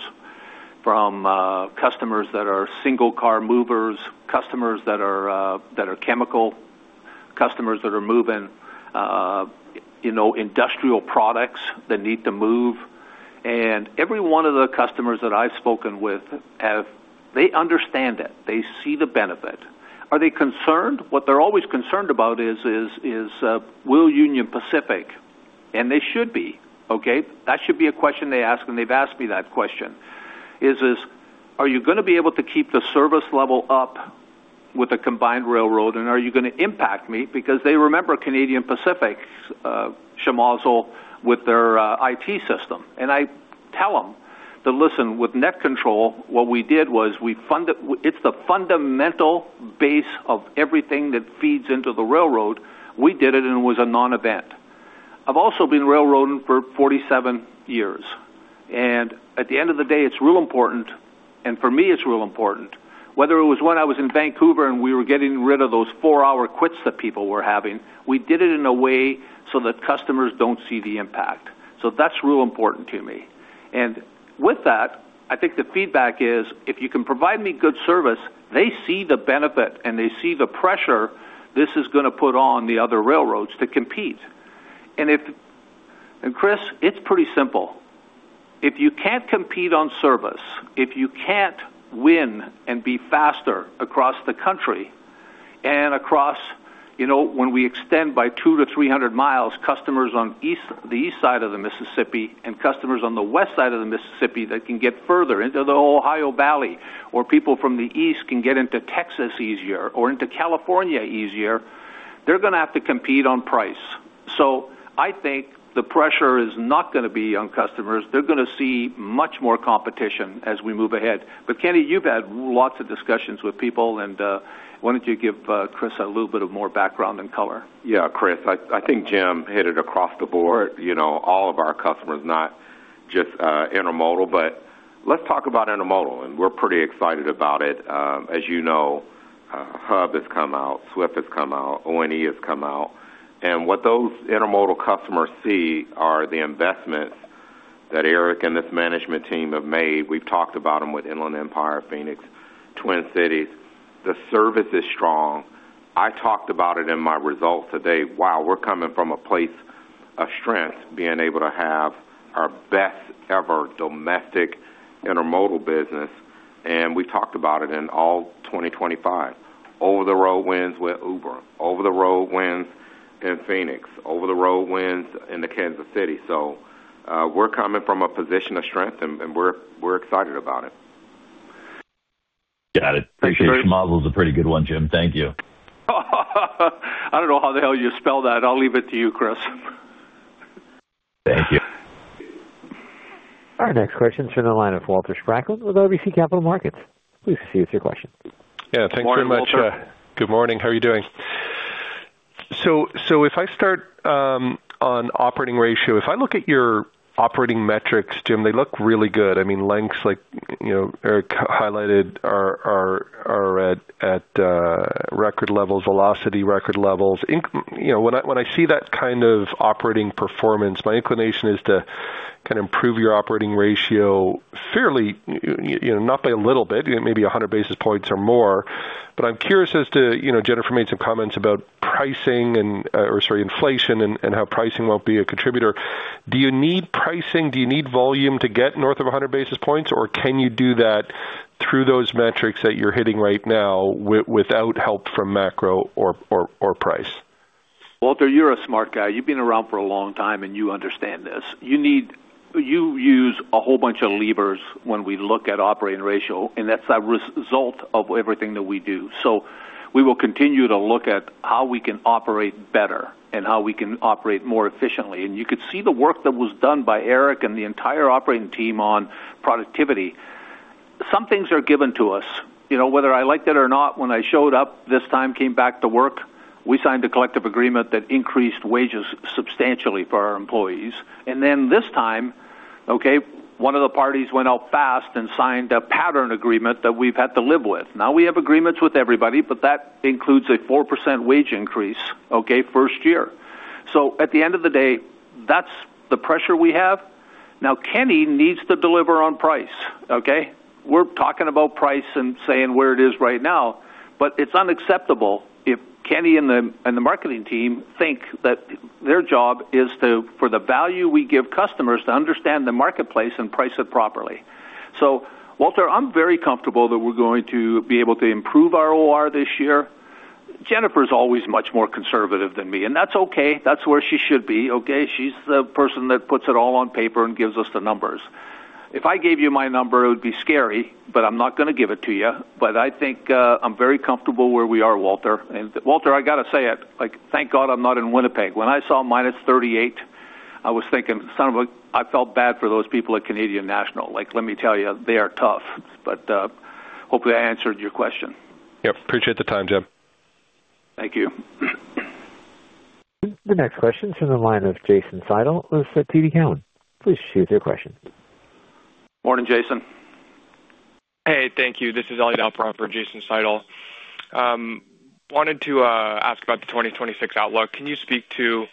from customers that are single car movers, customers that are that are chemical, customers that are moving you know industrial products that need to move. Every one of the customers that I've spoken with have—they understand it. They see the benefit. Are they concerned? What they're always concerned about is, is, is will Union Pacific, and they should be, okay? That should be a question they ask, and they've asked me that question, is, is: Are you gonna be able to keep the service level up with the combined railroad, and are you gonna impact me? Because they remember Canadian Pacific's schmozzle with their IT system. And I tell them to listen, with NetControl, what we did was, we funded it. It's the fundamental base of everything that feeds into the railroad. We did it, and it was a non-event. I've also been railroading for 47 years, and at the end of the day, it's real important, and for me, it's real important. Whether it was when I was in Vancouver, and we were getting rid of those 4-hour quits that people were having, we did it in a way so that customers don't see the impact. So that's real important to me. And with that, I think the feedback is, if you can provide me good service, they see the benefit and they see the pressure this is gonna put on the other railroads to compete. And if... And Chris, it's pretty simple. If you can't compete on service, if you can't win and be faster across the country and across, you know, when we extend by 200-300 miles, customers on east, the east side of the Mississippi and customers on the west side of the Mississippi, that can get further into the Ohio Valley, or people from the East can get into Texas easier or into California easier, they're gonna have to compete on price. So I think the pressure is not gonna be on customers. They're gonna see much more competition as we move ahead. But, Kenny, you've had lots of discussions with people, and why don't you give Chris a little bit of more background and color? Yeah, Chris, I think Jim hit it across the board. You know, all of our customers, not just intermodal, but let's talk about intermodal, and we're pretty excited about it. As you know, Hub has come out, Swift has come out, O&E has come out, and what those intermodal customers see are the investments that Eric and this management team have made. We've talked about them with Inland Empire, Phoenix, Twin Cities. The service is strong. I talked about it in my results today. Wow, we're coming from a place of strength, being able to have our best ever domestic intermodal business. We talked about it in all 2025. Over the road wins with Uber, over the road wins in Phoenix, over the road wins in the Kansas City. So, we're coming from a position of strength, and we're excited about it. Got it. Appreciate your model is a pretty good one, Jim. Thank you. I don't know how the hell you spell that. I'll leave it to you, Chris. Thank you. Our next question is from the line of Walter Spracklin with RBC Capital Markets. Please proceed with your question. Yeah, thanks very much. Morning, Walter. Good morning. How are you doing? So if I start on operating ratio, if I look at your operating metrics, Jim, they look really good. I mean, lengths like, you know, Eric highlighted are at record levels, velocity, record levels. You know, when I see that kind of operating performance, my inclination is to kind of improve your operating ratio fairly, you know, not by a little bit, maybe 100 basis points or more. But I'm curious as to, you know, Jennifer made some comments about pricing and, or sorry, inflation, and how pricing won't be a contributor. Do you need pricing, do you need volume to get north of 100 basis points, or can you do that through those metrics that you're hitting right now, without help from macro or price? Walter, you're a smart guy. You've been around for a long time, and you understand this. You need, you use a whole bunch of levers when we look at operating ratio, and that's a result of everything that we do. So we will continue to look at how we can operate better and how we can operate more efficiently. And you could see the work that was done by Eric and the entire operating team on productivity. Some things are given to us. You know, whether I liked it or not, when I showed up this time, came back to work, we signed a collective agreement that increased wages substantially for our employees. And then this time, okay, one of the parties went out fast and signed a pattern agreement that we've had to live with. Now we have agreements with everybody, but that includes a 4% wage increase, okay, first year. So at the end of the day, that's the pressure we have. Now, Kenny needs to deliver on price, okay? We're talking about price and saying where it is right now, but it's unacceptable if Kenny and the, and the marketing team think that their job is to, for the value we give customers, to understand the marketplace and price it properly. So Walter, I'm very comfortable that we're going to be able to improve our OR this year. Jennifer is always much more conservative than me, and that's okay. That's where she should be, okay? She's the person that puts it all on paper and gives us the numbers. If I gave you my number, it would be scary, but I'm not going to give it to you. I think, I'm very comfortable where we are, Walter. Walter, I got to say it, like, thank God, I'm not in Winnipeg. When I saw minus 38, I was thinking, son of a... I felt bad for those people at Canadian National. Like, let me tell you, they are tough, but, hopefully, I answered your question. Yep, appreciate the time, Jim. Thank you. The next question is from the line of Jason Seidel of TD Cowen. Please shoot your question. Morning, Jason. Hey, thank you. This is Elliot Alper for Jason Seidel. Wanted to ask about the 2026 outlook. Can you speak to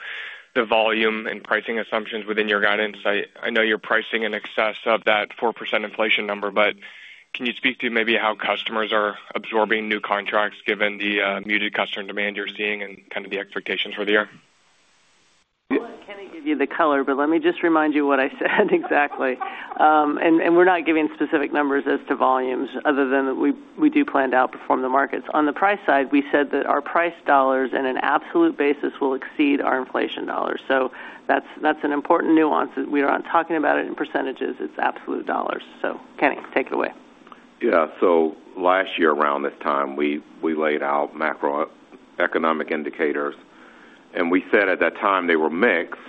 the volume and pricing assumptions within your guidance? I know you're pricing in excess of that 4% inflation number, but can you speak to maybe how customers are absorbing new contracts given the muted customer demand you're seeing and kind of the expectations for the year? Kenny gave you the color, but let me just remind you what I said exactly. And we're not giving specific numbers as to volumes other than that we do plan to outperform the markets. On the price side, we said that our price dollars in an absolute basis will exceed our inflation dollars. So that's an important nuance, that we are not talking about it in percentages, it's absolute dollars. So, Kenny, take it away. Yeah. So last year, around this time, we laid out macroeconomic indicators, and we said at that time they were mixed,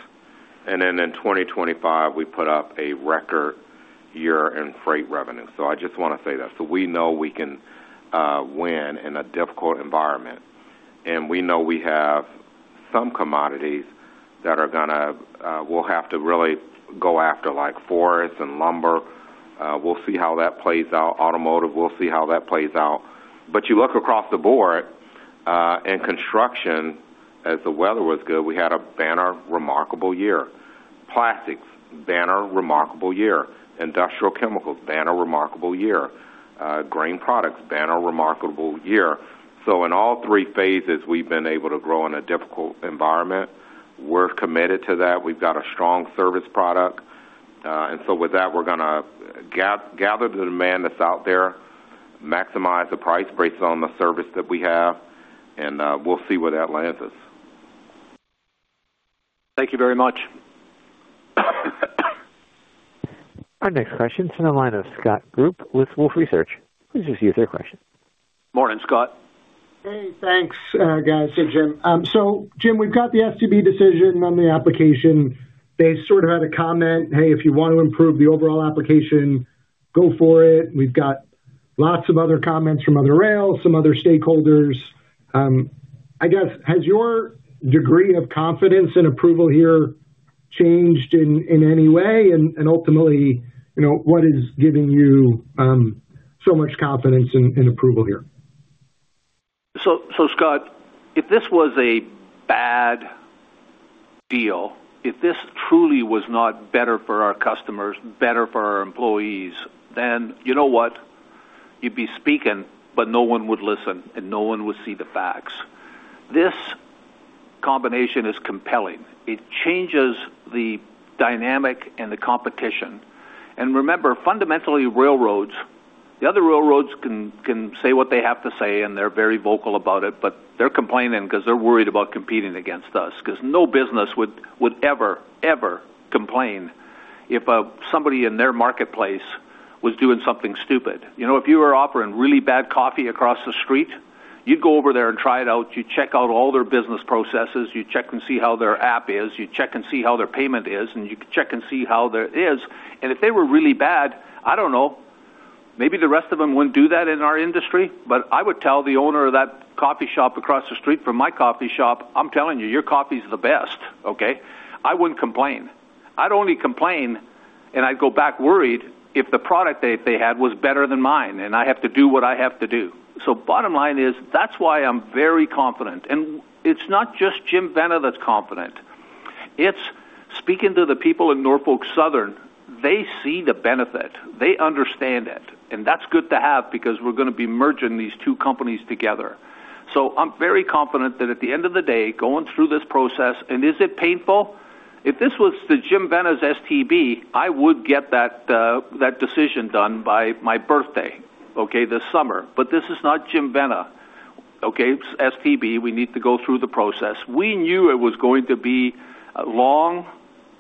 and then in 2025, we put up a record year in freight revenue. So I just want to say that. So we know we can win in a difficult environment, and we know we have some commodities that are gonna we'll have to really go after, like forests and lumber. We'll see how that plays out. Automotive, we'll see how that plays out. But you look across the board, and construction, as the weather was good, we had a banner remarkable year. Plastics, banner remarkable year. Industrial chemicals, banner remarkable year. Grain products, banner remarkable year. So in all three phases, we've been able to grow in a difficult environment. We're committed to that. We've got a strong service product. And so with that, we're gonna gather the demand that's out there, maximize the price based on the service that we have, and we'll see where that lands us. Thank you very much. Our next question is in the line of Scott Group with Wolfe Research. Please just use your question. Morning, Scott. Hey, thanks, guys, and Jim. So Jim, we've got the STB decision on the application. They sort of had a comment: "Hey, if you want to improve the overall application, go for it." We've got lots of other comments from other rails, some other stakeholders. I guess, has your degree of confidence and approval here changed in any way? And ultimately, you know, what is giving you so much confidence in approval here? So, Scott, if this was a bad deal, if this truly was not better for our customers, better for our employees, then you know what? You'd be speaking, but no one would listen, and no one would see the facts. This combination is compelling. It changes the dynamic and the competition. And remember, fundamentally, railroads, the other railroads can say what they have to say, and they're very vocal about it, but they're complaining because they're worried about competing against us, 'cause no business would ever complain if somebody in their marketplace was doing something stupid. You know, if you were offering really bad coffee across the street, you'd go over there and try it out. You'd check out all their business processes, you'd check and see how their app is, you'd check and see how their payment is, and you'd check and see how their is. And if they were really bad, I don't know, maybe the rest of them wouldn't do that in our industry, but I would tell the owner of that coffee shop across the street from my coffee shop, "I'm telling you, your coffee is the best," okay? I wouldn't complain. I'd only complain, and I'd go back worried if the product they, they had was better than mine, and I have to do what I have to do. So bottom line is, that's why I'm very confident. It's not just Jim Vena that's confident. It's speaking to the people in Norfolk Southern, they see the benefit, they understand it, and that's good to have because we're gonna be merging these two companies together. So I'm very confident that at the end of the day, going through this process, and is it painful? If this was the Jim Vena's STB, I would get that, that decision done by my birthday, okay, this summer. But this is not Jim Vena, okay? It's STB, we need to go through the process. We knew it was going to be long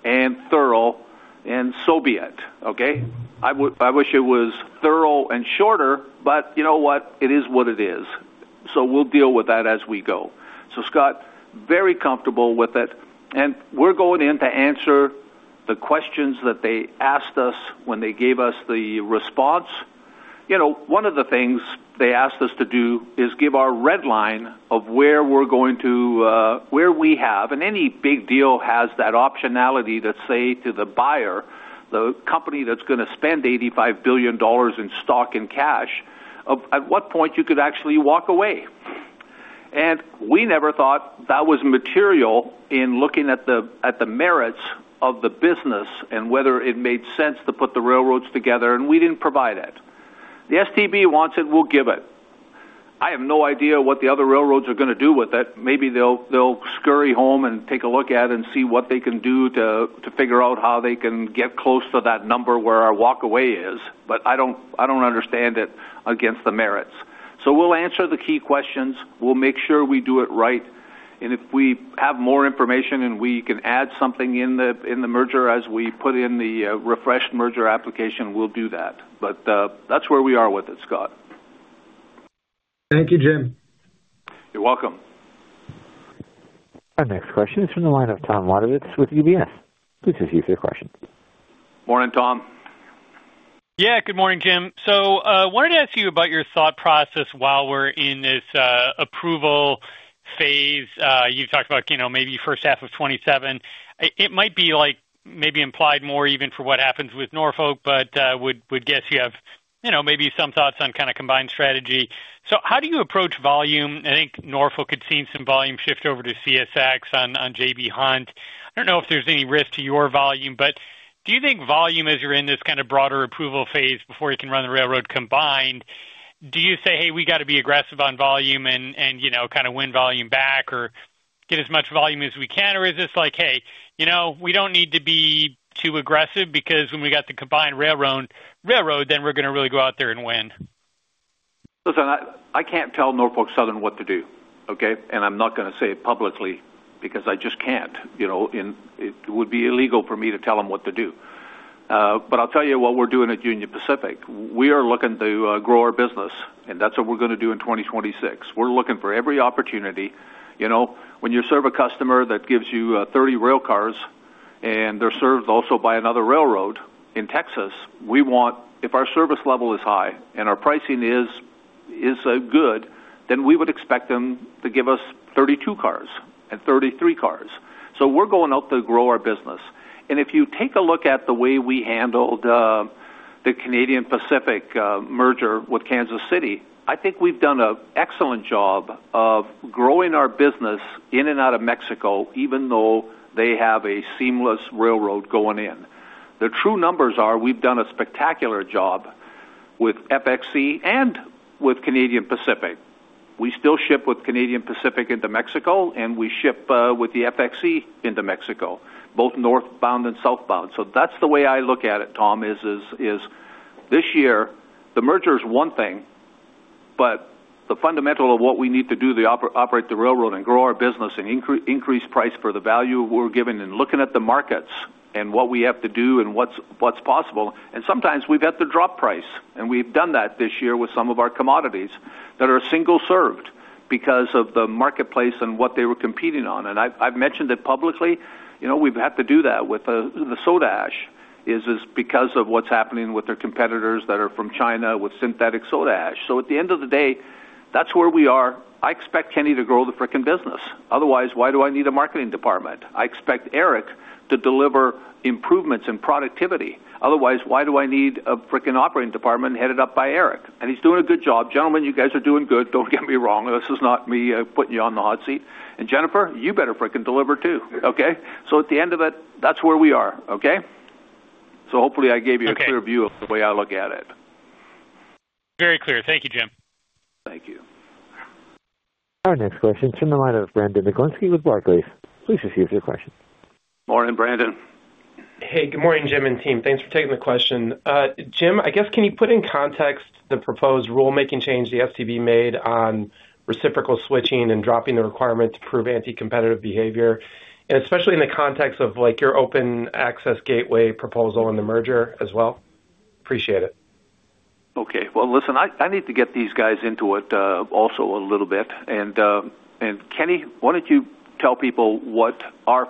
and thorough, and so be it, okay? I would, I wish it was thorough and shorter, but you know what? It is what it is. So we'll deal with that as we go. So Scott, very comfortable with it, and we're going in to answer the questions that they asked us when they gave us the response. You know, one of the things they asked us to do is give our red line of where we're going to, where we have, and any big deal has that optionality to say to the buyer, the company that's gonna spend $85 billion in stock and cash, of at what point you could actually walk away. And we never thought that was material in looking at the merits of the business and whether it made sense to put the railroads together, and we didn't provide it. The STB wants it, we'll give it. I have no idea what the other railroads are gonna do with it. Maybe they'll, they'll scurry home and take a look at it and see what they can do to, to figure out how they can get close to that number where our walk away is, but I don't, I don't understand it against the merits. So we'll answer the key questions, we'll make sure we do it right, and if we have more information and we can add something in the, in the merger as we put in the refreshed merger application, we'll do that. But, that's where we are with it, Scott. Thank you, Jim. You're welcome. Our next question is from the line of Tom Wadewitz with UBS. Please proceed with your question. Morning, Tom. Yeah, good morning, Jim. So, wanted to ask you about your thought process while we're in this approval phase. You talked about, you know, maybe first half of 2027. It, it might be, like, maybe implied more even for what happens with Norfolk, but, would, would guess you have, you know, maybe some thoughts on kind of combined strategy. So how do you approach volume? I think Norfolk had seen some volume shift over to CSX on, on J.B. Hunt. I don't know if there's any risk to your volume, but do you think volume, as you're in this kind of broader approval phase before you can run the railroad combined, do you say, "Hey, we got to be aggressive on volume and, you know, kind of win volume back or get as much volume as we can?" Or is this like, "Hey, you know, we don't need to be too aggressive, because when we got the combined railroad, then we're gonna really go out there and win? Listen, I can't tell Norfolk Southern what to do, okay? And I'm not gonna say it publicly because I just can't. You know, and it would be illegal for me to tell them what to do. But I'll tell you what we're doing at Union Pacific. We are looking to grow our business, and that's what we're gonna do in 2026. We're looking for every opportunity. You know, when you serve a customer that gives you 30 rail cars and they're served also by another railroad in Texas, we want-- If our service level is high and our pricing is good, then we would expect them to give us 32 cars and 33 cars. So we're going out to grow our business. If you take a look at the way we handled the Canadian Pacific merger with Kansas City, I think we've done an excellent job of growing our business in and out of Mexico, even though they have a seamless railroad going in. The true numbers are, we've done a spectacular job with FXE and with Canadian Pacific. We still ship with Canadian Pacific into Mexico, and we ship with the FXE into Mexico, both northbound and southbound. So that's the way I look at it, Tom, is this year, the merger is one thing, but the fundamental of what we need to do to operate the railroad and grow our business and increase price for the value we're giving and looking at the markets and what we have to do and what's possible. Sometimes we've had to drop price, and we've done that this year with some of our commodities that are single-served because of the marketplace and what they were competing on. I've mentioned it publicly, you know, we've had to do that with the soda ash because of what's happening with their competitors that are from China, with synthetic soda ash. So at the end of the day, that's where we are. I expect Kenny to grow the freaking business. Otherwise, why do I need a marketing department? I expect Eric to deliver improvements in productivity. Otherwise, why do I need a freaking operating department headed up by Eric? He's doing a good job. Gentlemen, you guys are doing good. Don't get me wrong. This is not me putting you on the hot seat. Jennifer, you better freaking deliver too, okay? So at the end of it, that's where we are, okay? So hopefully, I gave you a clear view of the way I look at it. ...Very clear. Thank you, Jim. Thank you. Our next question is from the line of Brandon Oglenski with Barclays. Please proceed with your question. Morning, Brandon. Hey, good morning, Jim and team. Thanks for taking the question. Jim, I guess, can you put in context the proposed rulemaking change the STB made on reciprocal switching and dropping the requirement to prove anti-competitive behavior, and especially in the context of, like, your open access gateway proposal and the merger as well? Appreciate it. Okay, well, listen, I need to get these guys into it, also a little bit. And Kenny, why don't you tell people what our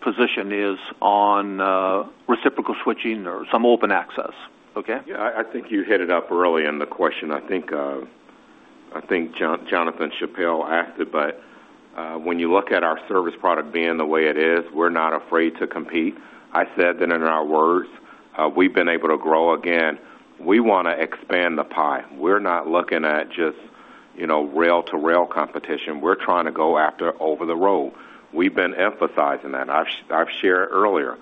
position is on reciprocal switching or some open access? Okay. Yeah, I think you hit it up early in the question. I think Jonathan Chappell asked it, but when you look at our service product being the way it is, we're not afraid to compete. I said that in our words, we've been able to grow again. We want to expand the pie. We're not looking at just, you know, rail to rail competition. We're trying to go after over the road. I've shared earlier,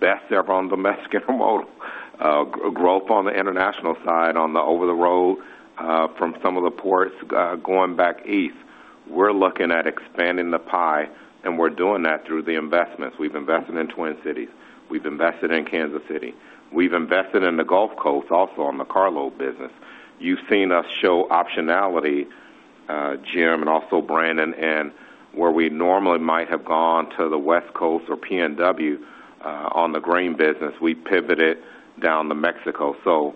best ever on domestic modal, growth on the international side, on the over the road, from some of the ports, going back east. We're looking at expanding the pie, and we're doing that through the investments. We've invested in Twin Cities, we've invested in Kansas City, we've invested in the Gulf Coast, also on the carload business. You've seen us show optionality, Jim and also Brandon, and where we normally might have gone to the West Coast or PNW, on the grain business, we pivoted down to Mexico. So,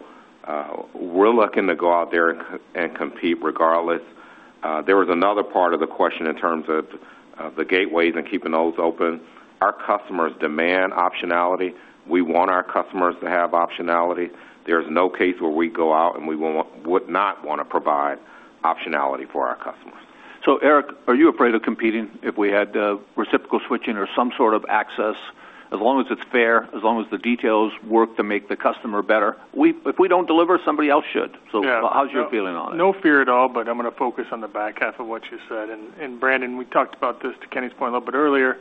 we're looking to go out there and, and compete regardless. There was another part of the question in terms of, of the gateways and keeping those open. Our customers demand optionality. We want our customers to have optionality. There's no case where we go out, and we want--would not want to provide optionality for our customers. So, Eric, are you afraid of competing if we had reciprocal switching or some sort of access? As long as it's fair, as long as the details work to make the customer better, we, if we don't deliver, somebody else should. Yeah. So how's your feeling on it? No fear at all, but I'm going to focus on the back half of what you said. And, Brandon, we talked about this, to Kenny's point, a little bit earlier.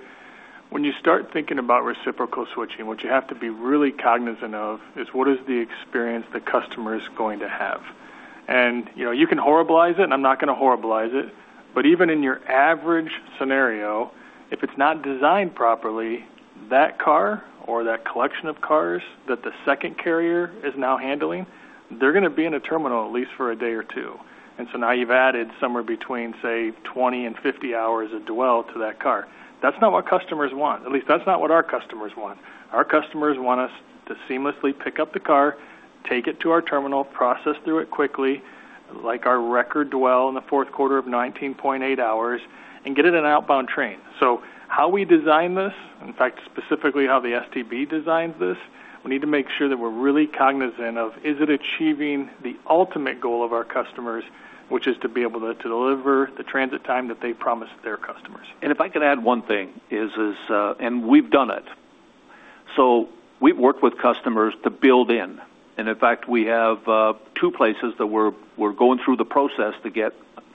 When you start thinking about reciprocal switching, what you have to be really cognizant of is what is the experience the customer is going to have? And, you know, you can horribilize it, and I'm not going to horribilize it, but even in your average scenario, if it's not designed properly, that car or that collection of cars that the second carrier is now handling, they're going to be in a terminal at least for a day or two. And so now you've added somewhere between, say, 20 and 50 hours of dwell to that car. That's not what customers want. At least that's not what our customers want. Our customers want us to seamlessly pick up the car, take it to our terminal, process through it quickly, like our record dwell in the fourth quarter of 19.8 hours, and get it an outbound train. So how we design this, in fact, specifically how the STB designs this, we need to make sure that we're really cognizant of, is it achieving the ultimate goal of our customers, which is to be able to deliver the transit time that they promise their customers. And if I could add one thing, and we've done it. So we've worked with customers to build in, and in fact, we have two places that we're going through the process to get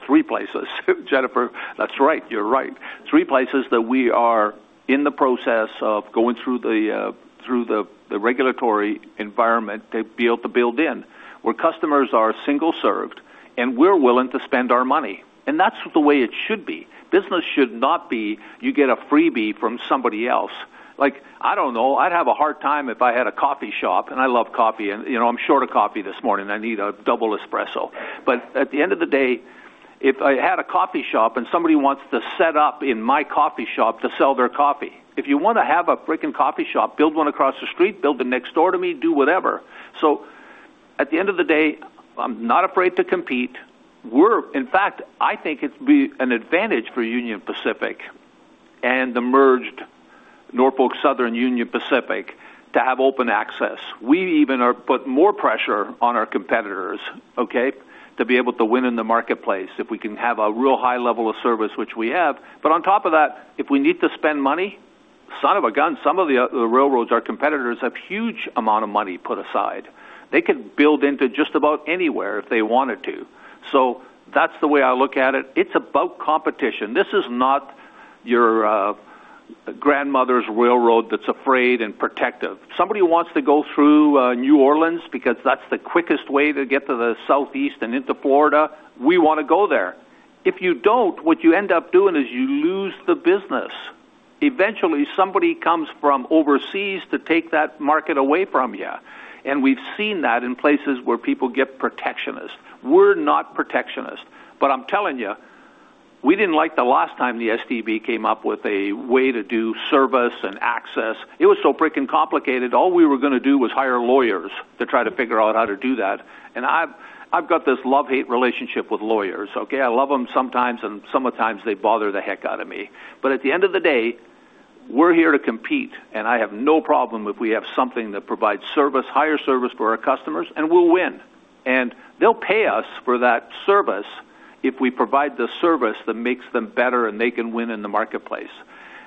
three places. Jennifer, that's right. You're right. Three places that we are in the process of going through the regulatory environment to be able to build in, where customers are single served, and we're willing to spend our money, and that's the way it should be. Business should not be, you get a freebie from somebody else. Like, I don't know, I'd have a hard time if I had a coffee shop, and I love coffee, and, you know, I'm short of coffee this morning. I need a double espresso. But at the end of the day, if I had a coffee shop and somebody wants to set up in my coffee shop to sell their coffee, if you want to have a freaking coffee shop, build one across the street, build the next door to me, do whatever. So at the end of the day, I'm not afraid to compete. We're in fact, I think it'd be an advantage for Union Pacific and the merged Norfolk Southern Union Pacific to have open access. We even are put more pressure on our competitors, okay, to be able to win in the marketplace if we can have a real high level of service, which we have. But on top of that, if we need to spend money, son of a gun, some of the, the railroads, our competitors, have huge amount of money put aside. They could build into just about anywhere if they wanted to. So that's the way I look at it. It's about competition. This is not your grandmother's railroad that's afraid and protective. Somebody wants to go through New Orleans because that's the quickest way to get to the Southeast and into Florida, we want to go there. If you don't, what you end up doing is you lose the business. Eventually, somebody comes from overseas to take that market away from you, and we've seen that in places where people get protectionist. We're not protectionist, but I'm telling you, we didn't like the last time the STB came up with a way to do service and access. It was so freaking complicated. All we were going to do was hire lawyers to try to figure out how to do that. And I've, I've got this love-hate relationship with lawyers, okay? I love them sometimes, and some of the times they bother the heck out of me. But at the end of the day, we're here to compete, and I have no problem if we have something that provides service, higher service for our customers, and we'll win. And they'll pay us for that service if we provide the service that makes them better, and they can win in the marketplace.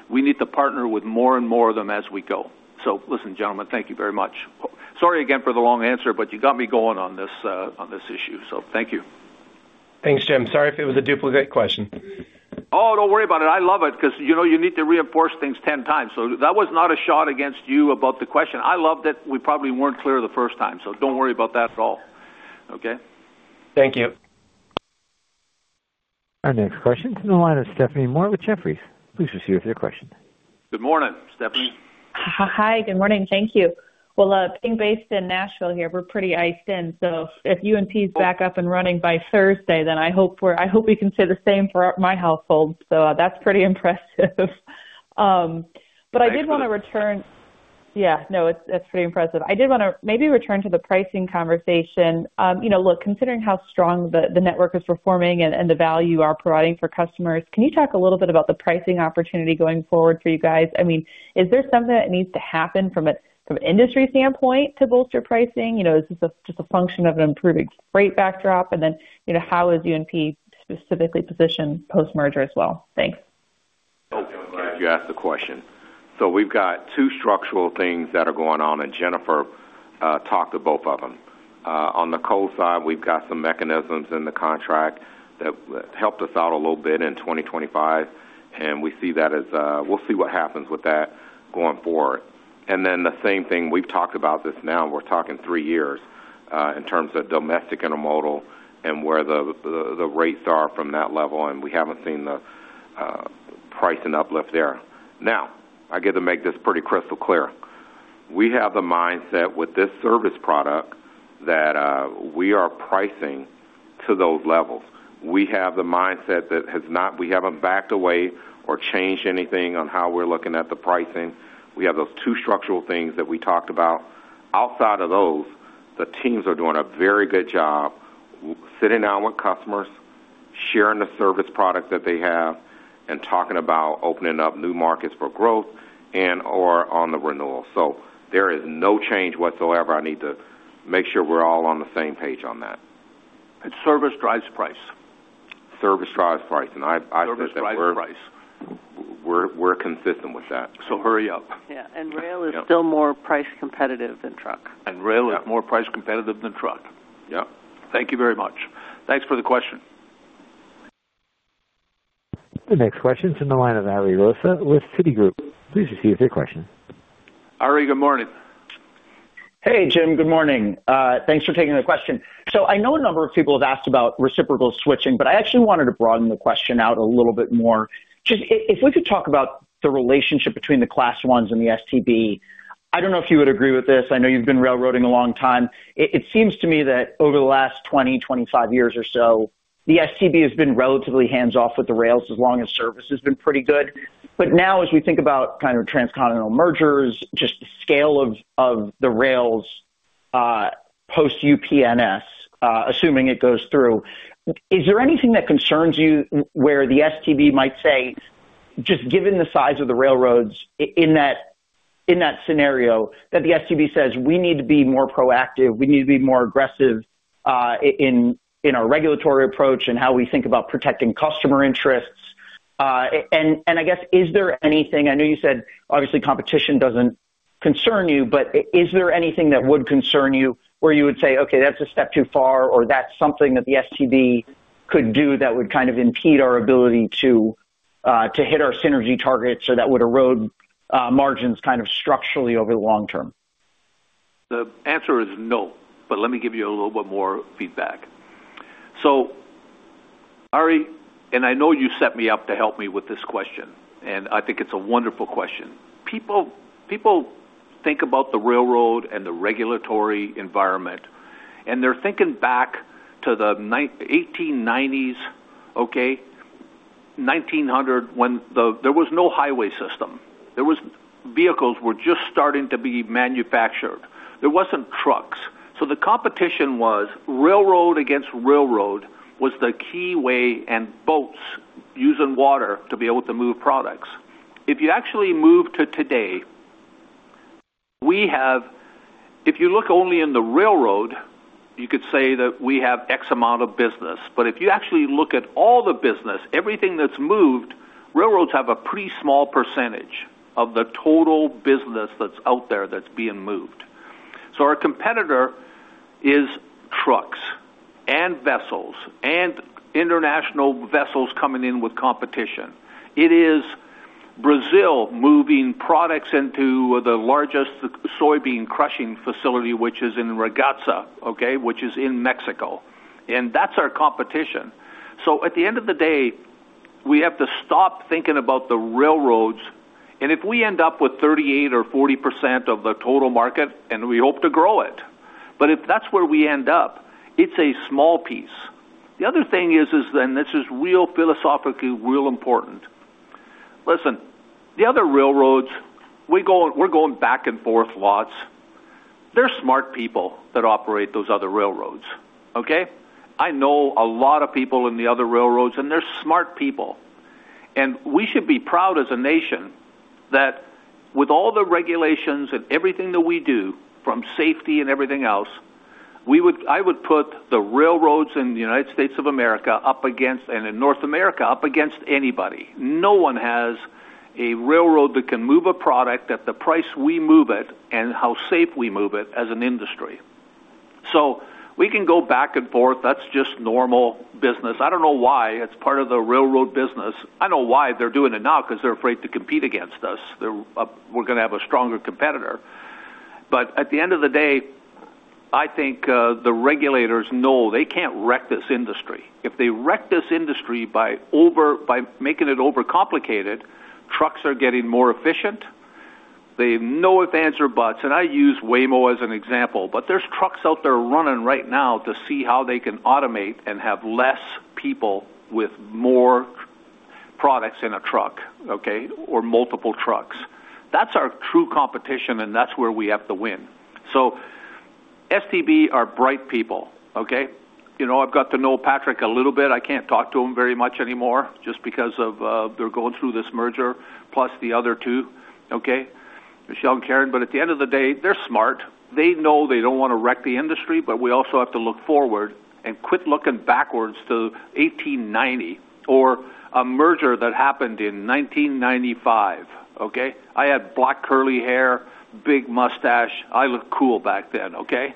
We need to partner with more and more of them as we go. So listen, gentlemen, thank you very much. Sorry again for the long answer, but you got me going on this, on this issue, so thank you.... Thanks, Jim. Sorry if it was a duplicate question. Oh, don't worry about it. I love it because, you know, you need to reinforce things 10 times. So that was not a shot against you about the question. I loved it. We probably weren't clear the first time, so don't worry about that at all, okay? Thank you. Our next question is in the line of Stephanie Moore with Jefferies. Please proceed with your question. Good morning, Stephanie. Hi, good morning. Thank you. Well, being based in Nashville here, we're pretty iced in, so if UNP is back up and running by Thursday, then I hope we're—I hope we can say the same for my household, so that's pretty impressive. But I did want to return. Yeah, no, it's pretty impressive. I did want to maybe return to the pricing conversation. You know, look, considering how strong the network is performing and the value you are providing for customers, can you talk a little bit about the pricing opportunity going forward for you guys? I mean, is there something that needs to happen from a, from an industry standpoint to bolster pricing? You know, is this just a function of an improving freight backdrop? And then, you know, how is UNP specifically positioned post-merger as well? Thanks. Glad you asked the question. So we've got two structural things that are going on, and Jennifer talked to both of them. On the coal side, we've got some mechanisms in the contract that helped us out a little bit in 2025, and we see that as, we'll see what happens with that going forward. And then the same thing, we've talked about this now, and we're talking three years in terms of domestic intermodal and where the rates are from that level, and we haven't seen the pricing uplift there. Now, I get to make this pretty crystal clear. We have the mindset with this service product that we are pricing to those levels. We have the mindset that has not—we haven't backed away or changed anything on how we're looking at the pricing. We have those two structural things that we talked about. Outside of those, the teams are doing a very good job sitting down with customers, sharing the service product that they have, and talking about opening up new markets for growth and or on the renewal. So there is no change whatsoever. I need to make sure we're all on the same page on that. Service drives price. Service drives price, and I think that we're- Service drives price. We're consistent with that. Hurry up. Yeah. Rail is still more price competitive than truck. Rail is more price competitive than truck. Yep. Thank you very much. Thanks for the question. The next question is in the line of Ari Rosa with Citigroup. Please proceed with your question. Ari, good morning. Hey, Jim, good morning. Thanks for taking the question. So I know a number of people have asked about reciprocal switching, but I actually wanted to broaden the question out a little bit more. Just if we could talk about the relationship between the Class ones and the STB, I don't know if you would agree with this. I know you've been railroading a long time. It seems to me that over the last 20-25 years or so, the STB has been relatively hands-off with the rails, as long as service has been pretty good. But now, as we think about kind of transcontinental mergers, just the scale of the rails, post UP-NS, assuming it goes through, is there anything that concerns you where the STB might say, just given the size of the railroads in that scenario, that the STB says, "We need to be more proactive, we need to be more aggressive, in our regulatory approach and how we think about protecting customer interests?" And I guess, is there anything... I know you said, obviously, competition doesn't concern you, but is there anything that would concern you, where you would say, "Okay, that's a step too far," or that's something that the STB could do that would kind of impede our ability to hit our synergy targets or that would erode margins kind of structurally over the long term? The answer is no, but let me give you a little bit more feedback. So, Ari, and I know you set me up to help me with this question, and I think it's a wonderful question. People think about the railroad and the regulatory environment, and they're thinking back to the 1890s, okay, 1900, when there was no highway system. There was vehicles were just starting to be manufactured. There wasn't trucks, so the competition was railroad against railroad, was the key way, and boats using water to be able to move products. If you actually move to today, we have—if you look only in the railroad, you could say that we have X amount of business, but if you actually look at all the business, everything that's moved, railroads have a pretty small percentage of the total business that's out there that's being moved. So our competitor is trucks and vessels and international vessels coming in with competition. It is Brazil moving products into the largest soybean crushing facility, which is in Ragasa, okay? Which is in Mexico, and that's our competition. So at the end of the day, we have to stop thinking about the railroads, and if we end up with 38% or 40% of the total market, and we hope to grow it, but if that's where we end up, it's a small piece. The other thing is, is then, this is real, philosophically real important. Listen, the other railroads, we go on—we're going back and forth lots. They're smart people that operate those other railroads, okay? I know a lot of people in the other railroads, and they're smart people. And we should be proud as a nation that with all the regulations and everything that we do, from safety and everything else, we would—I would put the railroads in the United States of America up against, and in North America, up against anybody. No one has... a railroad that can move a product at the price we move it and how safe we move it as an industry. So we can go back and forth, that's just normal business. I don't know why it's part of the railroad business. I know why they're doing it now, because they're afraid to compete against us. They're, we're gonna have a stronger competitor. But at the end of the day, I think, the regulators know they can't wreck this industry. If they wreck this industry by making it overcomplicated, trucks are getting more efficient, they have no if, ands, or buts, and I use Waymo as an example, but there's trucks out there running right now to see how they can automate and have less people with more products in a truck, okay, or multiple trucks. That's our true competition, and that's where we have to win. So STB are bright people, okay? You know, I've got to know Patrick a little bit. I can't talk to him very much anymore just because of, they're going through this merger, plus the other two, okay, Michelle and Karen. But at the end of the day, they're smart. They know they don't want to wreck the industry, but we also have to look forward and quit looking backwards to 1890 or a merger that happened in 1995, okay? I had black curly hair, big mustache. I looked cool back then, okay?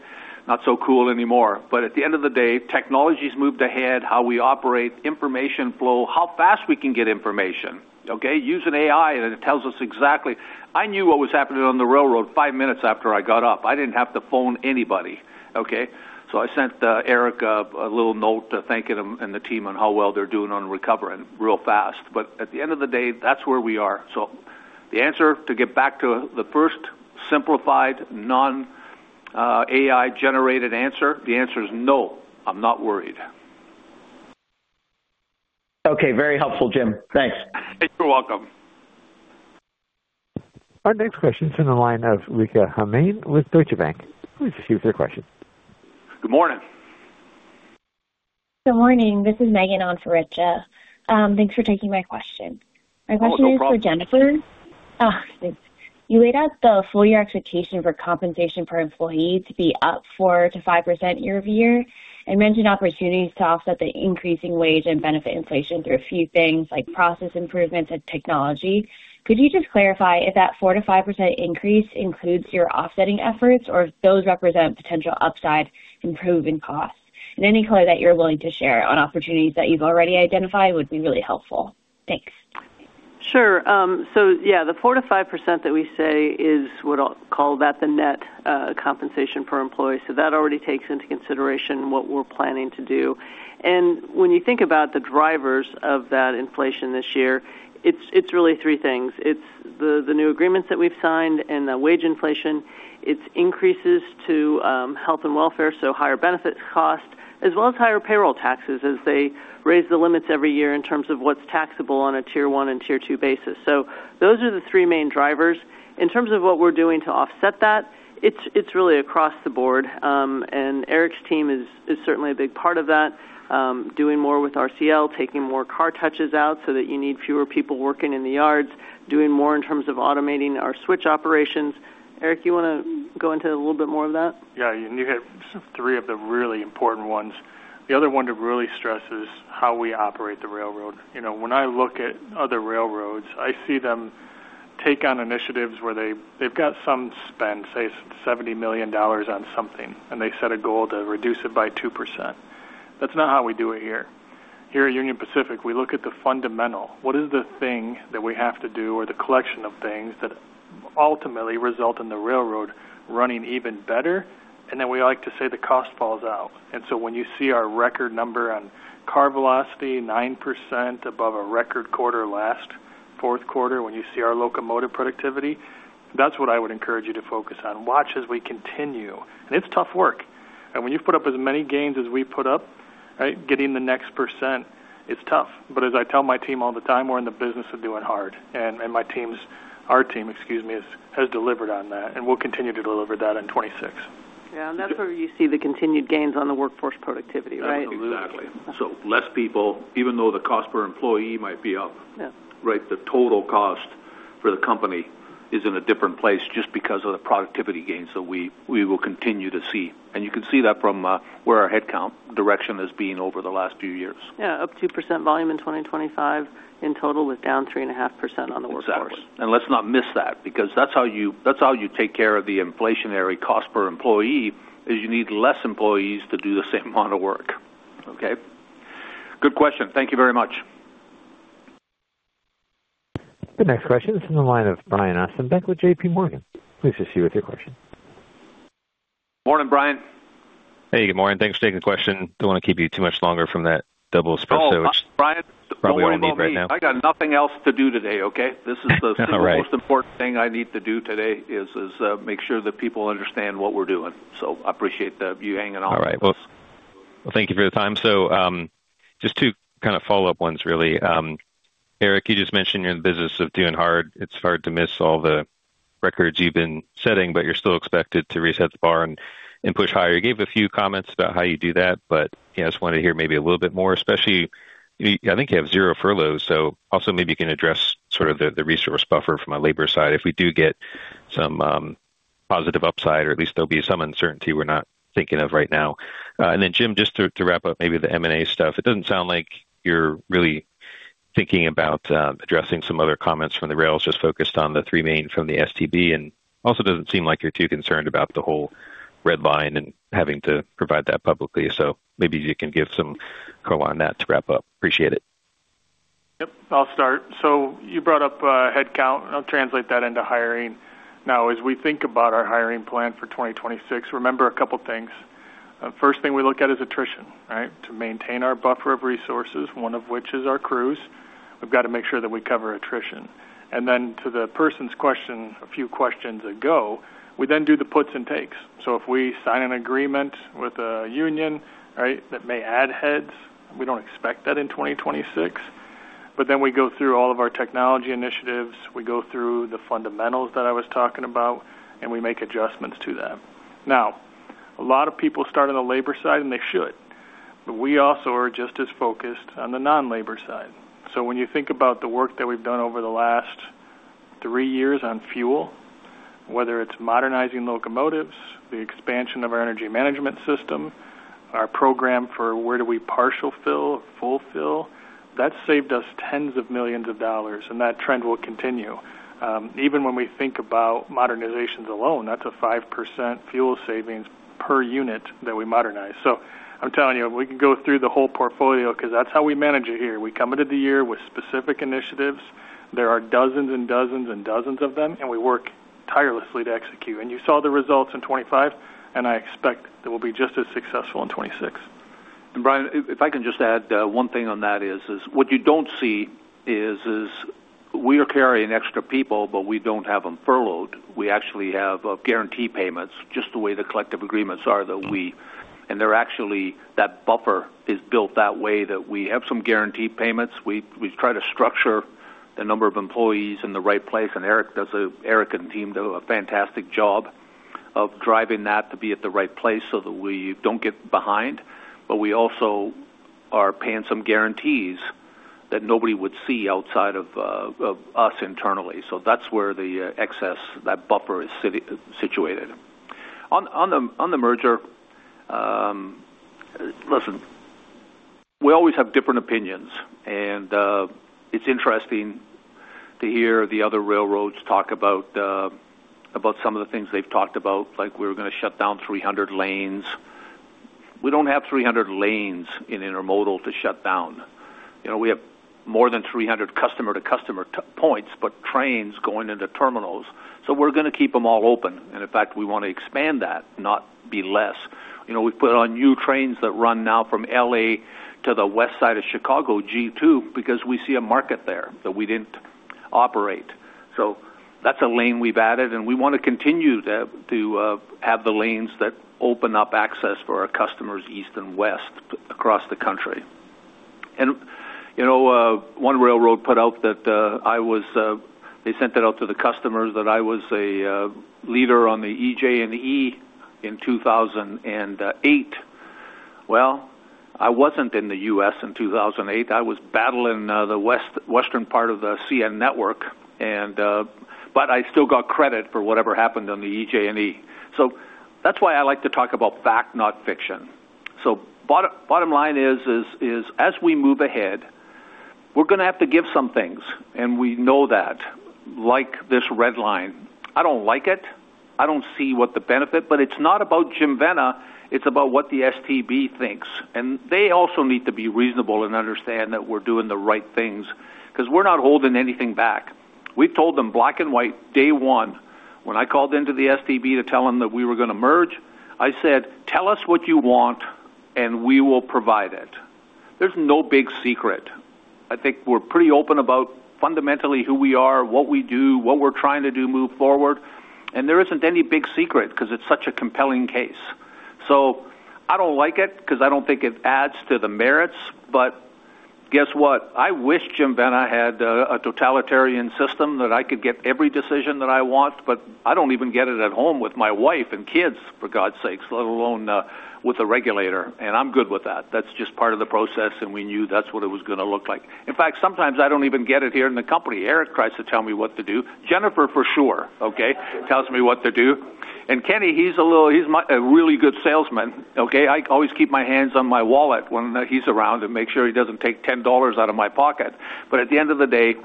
Not so cool anymore, but at the end of the day, technology's moved ahead, how we operate, information flow, how fast we can get information, okay? Use an AI, and it tells us exactly... I knew what was happening on the railroad five minutes after I got up. I didn't have to phone anybody, okay? So I sent Eric a little note to thank him and the team on how well they're doing on recovering real fast. But at the end of the day, that's where we are. The answer, to get back to the first simplified, non-AI-generated answer, the answer is no, I'm not worried. Okay, very helpful, Jim. Thanks. You're welcome. Our next question is in the line of Rika Hermane with Deutsche Bank. Please proceed with your question. Good morning. Good morning, this is Megan on for Rika. Thanks for taking my question. Oh, no problem. My question is for Jennifer. Ah, thanks. You laid out the full year expectation for compensation per employee to be up 4%-5% year-over-year, and mentioned opportunities to offset the increasing wage and benefit inflation through a few things like process improvements and technology. Could you just clarify if that 4%-5% increase includes your offsetting efforts, or if those represent potential upside improvement costs? And any color that you're willing to share on opportunities that you've already identified would be really helpful. Thanks. Sure. So yeah, the 4%-5% that we say is, we'll call that the net compensation per employee. So that already takes into consideration what we're planning to do. And when you think about the drivers of that inflation this year, it's really three things: It's the new agreements that we've signed and the wage inflation, it's increases to health and welfare, so higher benefit costs, as well as higher payroll taxes, as they raise the limits every year in terms of what's taxable on a Tier One and Tier Two basis. So those are the three main drivers. In terms of what we're doing to offset that, it's really across the board, and Eric's team is certainly a big part of that. Doing more with RCL, taking more car touches out so that you need fewer people working in the yards, doing more in terms of automating our switch operations. Eric, you want to go into a little bit more of that? Yeah, you hit three of the really important ones. The other one to really stress is how we operate the railroad. You know, when I look at other railroads, I see them take on initiatives where they, they've got some spend, say, $70 million on something, and they set a goal to reduce it by 2%. That's not how we do it here. Here at Union Pacific, we look at the fundamental. What is the thing that we have to do, or the collection of things that ultimately result in the railroad running even better? And then we like to say the cost falls out. And so when you see our record number on car velocity, 9% above a record quarter last fourth quarter, when you see our locomotive productivity, that's what I would encourage you to focus on. Watch as we continue, and it's tough work, and when you put up as many gains as we put up, right, getting the next percent is tough. But as I tell my team all the time, we're in the business of doing hard, and my teams, our team, excuse me, has delivered on that, and we'll continue to deliver that in 2026. Yeah, and that's where you see the continued gains on the workforce productivity, right? Absolutely. Exactly. So less people, even though the cost per employee might be up- Yeah. Right, the total cost for the company is in a different place just because of the productivity gains that we will continue to see. You can see that from where our headcount direction has been over the last few years. Yeah, up 2% volume in 2025 in total, with down 3.5% on the workforce. Exactly. And let's not miss that, because that's how you, that's how you take care of the inflationary cost per employee, is you need less employees to do the same amount of work, okay? Good question. Thank you very much. The next question is in the line of Brian Ossenbeck with JP Morgan. Please proceed with your question. Morning, Brian. Hey, good morning. Thanks for taking the question. Don't want to keep you too much longer from that double espresso- Oh, Brian, don't worry about me. Probably what I need right now. I got nothing else to do today, okay? All right. This is the most important thing I need to do today, to make sure that people understand what we're doing. So I appreciate you hanging on. All right. Well, well, thank you for the time. So, just two kind of follow-up ones, really. Eric, you just mentioned you're in the business of doing hard. It's hard to miss all the records you've been setting, but you're still expected to raise the bar and push higher. You gave a few comments about how you do that, but yeah, I just wanted to hear maybe a little bit more, especially. I think you have zero furloughs, so also maybe you can address sort of the resource buffer from a labor side if we do get some positive upside, or at least there'll be some uncertainty we're not thinking of right now. And then, Jim, just to wrap up maybe the M&A stuff, it doesn't sound like you're really thinking about addressing some other comments from the rails, just focused on the three main from the STB, and also doesn't seem like you're too concerned about the whole red line and having to provide that publicly. So maybe you can give some color on that to wrap up. Appreciate it. Yep, I'll start. So you brought up headcount, and I'll translate that into hiring. Now, as we think about our hiring plan for 2026, remember a couple things. First thing we look at is attrition, right? To maintain our buffer of resources, one of which is our crews, we've got to make sure that we cover attrition. And then to the person's question, a few questions ago, we then do the puts and takes. So if we sign an agreement with a union, right, that may add heads, we don't expect that in 2026. But then we go through all of our technology initiatives, we go through the fundamentals that I was talking about, and we make adjustments to them. Now, a lot of people start on the labor side, and they should, but we also are just as focused on the non-labor side. So when you think about the work that we've done over the last three years on fuel, whether it's modernizing locomotives, the expansion of our energy management system, our program for where do we partial fill, full fill, that saved us $tens of millions, and that trend will continue. Even when we think about modernizations alone, that's a 5% fuel savings per unit that we modernize. So I'm telling you, we can go through the whole portfolio because that's how we manage it here. We come into the year with specific initiatives. There are dozens and dozens and dozens of them, and we work tirelessly to execute. And you saw the results in 2025, and I expect that we'll be just as successful in 2026. And Brian, if I can just add one thing on that is what you don't see is we are carrying extra people, but we don't have them furloughed. We actually have guarantee payments, just the way the collective agreements are, that we - and they're actually, that buffer is built that way, that we have some guaranteed payments. We try to structure the number of employees in the right place, and Eric and team do a fantastic job of driving that to be at the right place so that we don't get behind. But we also are paying some guarantees that nobody would see outside of us internally. So that's where the excess, that buffer is situated. On the merger, listen, we always have different opinions, and it's interesting to hear the other railroads talk about some of the things they've talked about, like we were gonna shut down 300 lanes. We don't have 300 lanes in intermodal to shut down. You know, we have more than 300 customer-to-customer points, but trains going into terminals, so we're gonna keep them all open. And in fact, we want to expand that, not be less. You know, we put on new trains that run now from LA to the west side of Chicago, G2, because we see a market there that we didn't operate. So that's a lane we've added, and we want to continue to have the lanes that open up access for our customers east and west across the country. You know, one railroad put out that they sent it out to the customers, that I was a leader on the EJ&E in 2008. Well, I wasn't in the U.S. in 2008. I was battling the western part of the CN network, and, but I still got credit for whatever happened on the EJ&E. So that's why I like to talk about fact, not fiction. So bottom line is as we move ahead, we're gonna have to give some things, and we know that, like this red line, I don't like it. I don't see what the benefit, but it's not about Jim Vena, it's about what the STB thinks. And they also need to be reasonable and understand that we're doing the right things because we're not holding anything back. We told them black and white, day one, when I called into the STB to tell them that we were gonna merge, I said, "Tell us what you want, and we will provide it." There's no big secret. I think we're pretty open about fundamentally who we are, what we do, what we're trying to do, move forward. And there isn't any big secret because it's such a compelling case. So I don't like it because I don't think it adds to the merits. But guess what? I wish Jim Vena had a totalitarian system that I could get every decision that I want, but I don't even get it at home with my wife and kids, for God's sakes, let alone with a regulator, and I'm good with that. That's just part of the process, and we knew that's what it was gonna look like. In fact, sometimes I don't even get it here in the company. Eric tries to tell me what to do. Jennifer, for sure, okay, tells me what to do. And Kenny, he's a little - he's my a really good salesman, okay? I always keep my hands on my wallet when he's around and make sure he doesn't take $10 out of my pocket. At the end of the day,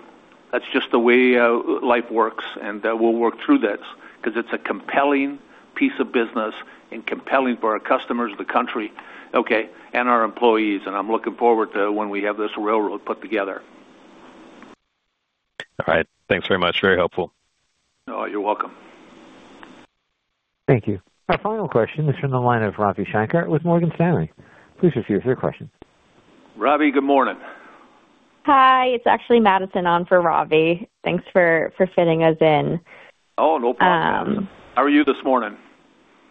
that's just the way life works, and we'll work through this because it's a compelling piece of business and compelling for our customers, the country, okay, and our employees, and I'm looking forward to when we have this railroad put together. All right. Thanks very much. Very helpful. Oh, you're welcome. Thank you. Our final question is from the line of Ravi Shanker with Morgan Stanley. Please proceed with your question. Ravi, good morning. Hi, it's actually Madison on for Ravi. Thanks for fitting us in. Oh, no problem. Um- How are you this morning?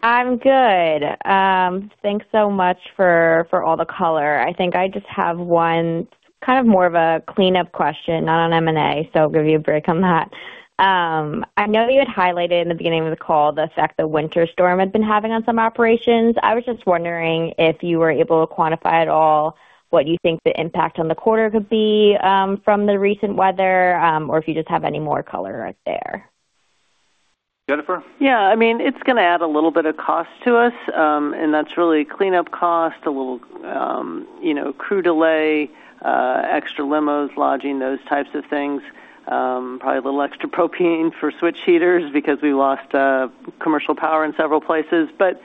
I'm good. Thanks so much for all the color. I think I just have one kind of more of a cleanup question, not on M&A, so I'll give you a break on that. I know you had highlighted in the beginning of the call the effect the winter storm had been having on some operations. I was just wondering if you were able to quantify at all what you think the impact on the quarter could be, from the recent weather, or if you just have any more color there? ... Jennifer? Yeah, I mean, it's gonna add a little bit of cost to us, and that's really cleanup cost, a little, you know, crew delay, extra limos, lodging, those types of things. Probably a little extra propane for switch heaters because we lost commercial power in several places. But,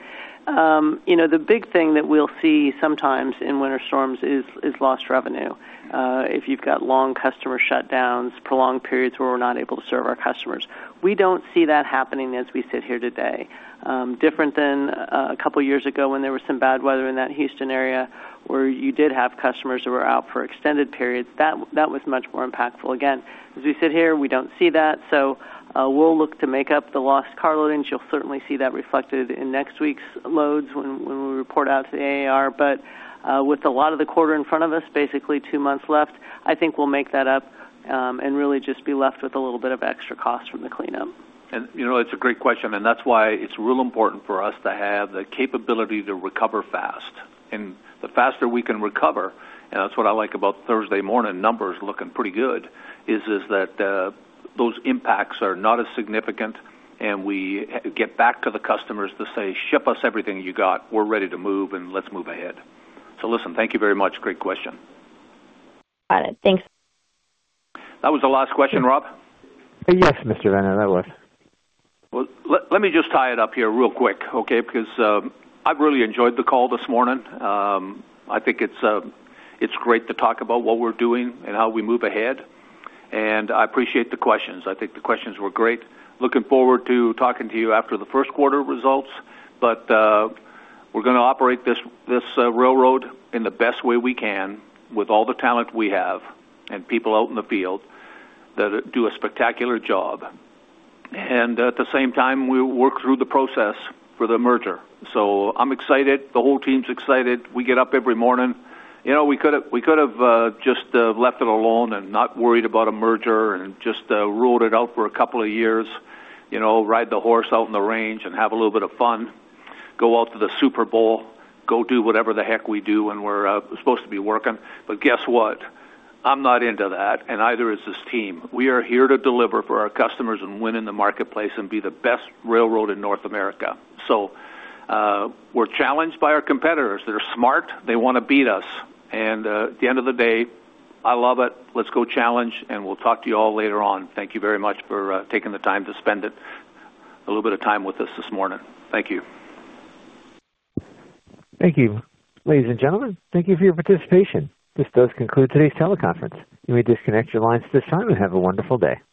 you know, the big thing that we'll see sometimes in winter storms is lost revenue. If you've got long customer shutdowns, prolonged periods where we're not able to serve our customers. We don't see that happening as we sit here today. Different than a couple of years ago when there was some bad weather in that Houston area where you did have customers who were out for extended periods. That was much more impactful. Again, as we sit here, we don't see that, so, we'll look to make up the lost car loadings. You'll certainly see that reflected in next week's loads when, when we report out to the AAR. But, with a lot of the quarter in front of us, basically two months left, I think we'll make that up, and really just be left with a little bit of extra cost from the cleanup. You know, it's a great question, and that's why it's real important for us to have the capability to recover fast. The faster we can recover, and that's what I like about Thursday morning, numbers looking pretty good, is that those impacts are not as significant, and we get back to the customers to say, "Ship us everything you got. We're ready to move and let's move ahead." So listen, thank you very much. Great question. Got it. Thanks. That was the last question, Rob? Yes, Mr. Vena, that was. Well, let me just tie it up here real quick, okay? Because I've really enjoyed the call this morning. I think it's great to talk about what we're doing and how we move ahead, and I appreciate the questions. I think the questions were great. Looking forward to talking to you after the first quarter results, but we're gonna operate this railroad in the best way we can with all the talent we have and people out in the field that do a spectacular job. And at the same time, we work through the process for the merger. So I'm excited. The whole team's excited. We get up every morning. You know, we could have just left it alone and not worried about a merger and just ruled it out for a couple of years. You know, ride the horse out in the range and have a little bit of fun. Go out to the Super Bowl, go do whatever the heck we do when we're supposed to be working. But guess what? I'm not into that, and neither is this team. We are here to deliver for our customers and win in the marketplace and be the best railroad in North America. So, we're challenged by our competitors. They're smart. They want to beat us, and at the end of the day, I love it. Let's go challenge, and we'll talk to you all later on. Thank you very much for taking the time to spend a little bit of time with us this morning. Thank you. Thank you. Ladies and gentlemen, thank you for your participation. This does conclude today's teleconference. You may disconnect your lines at this time and have a wonderful day.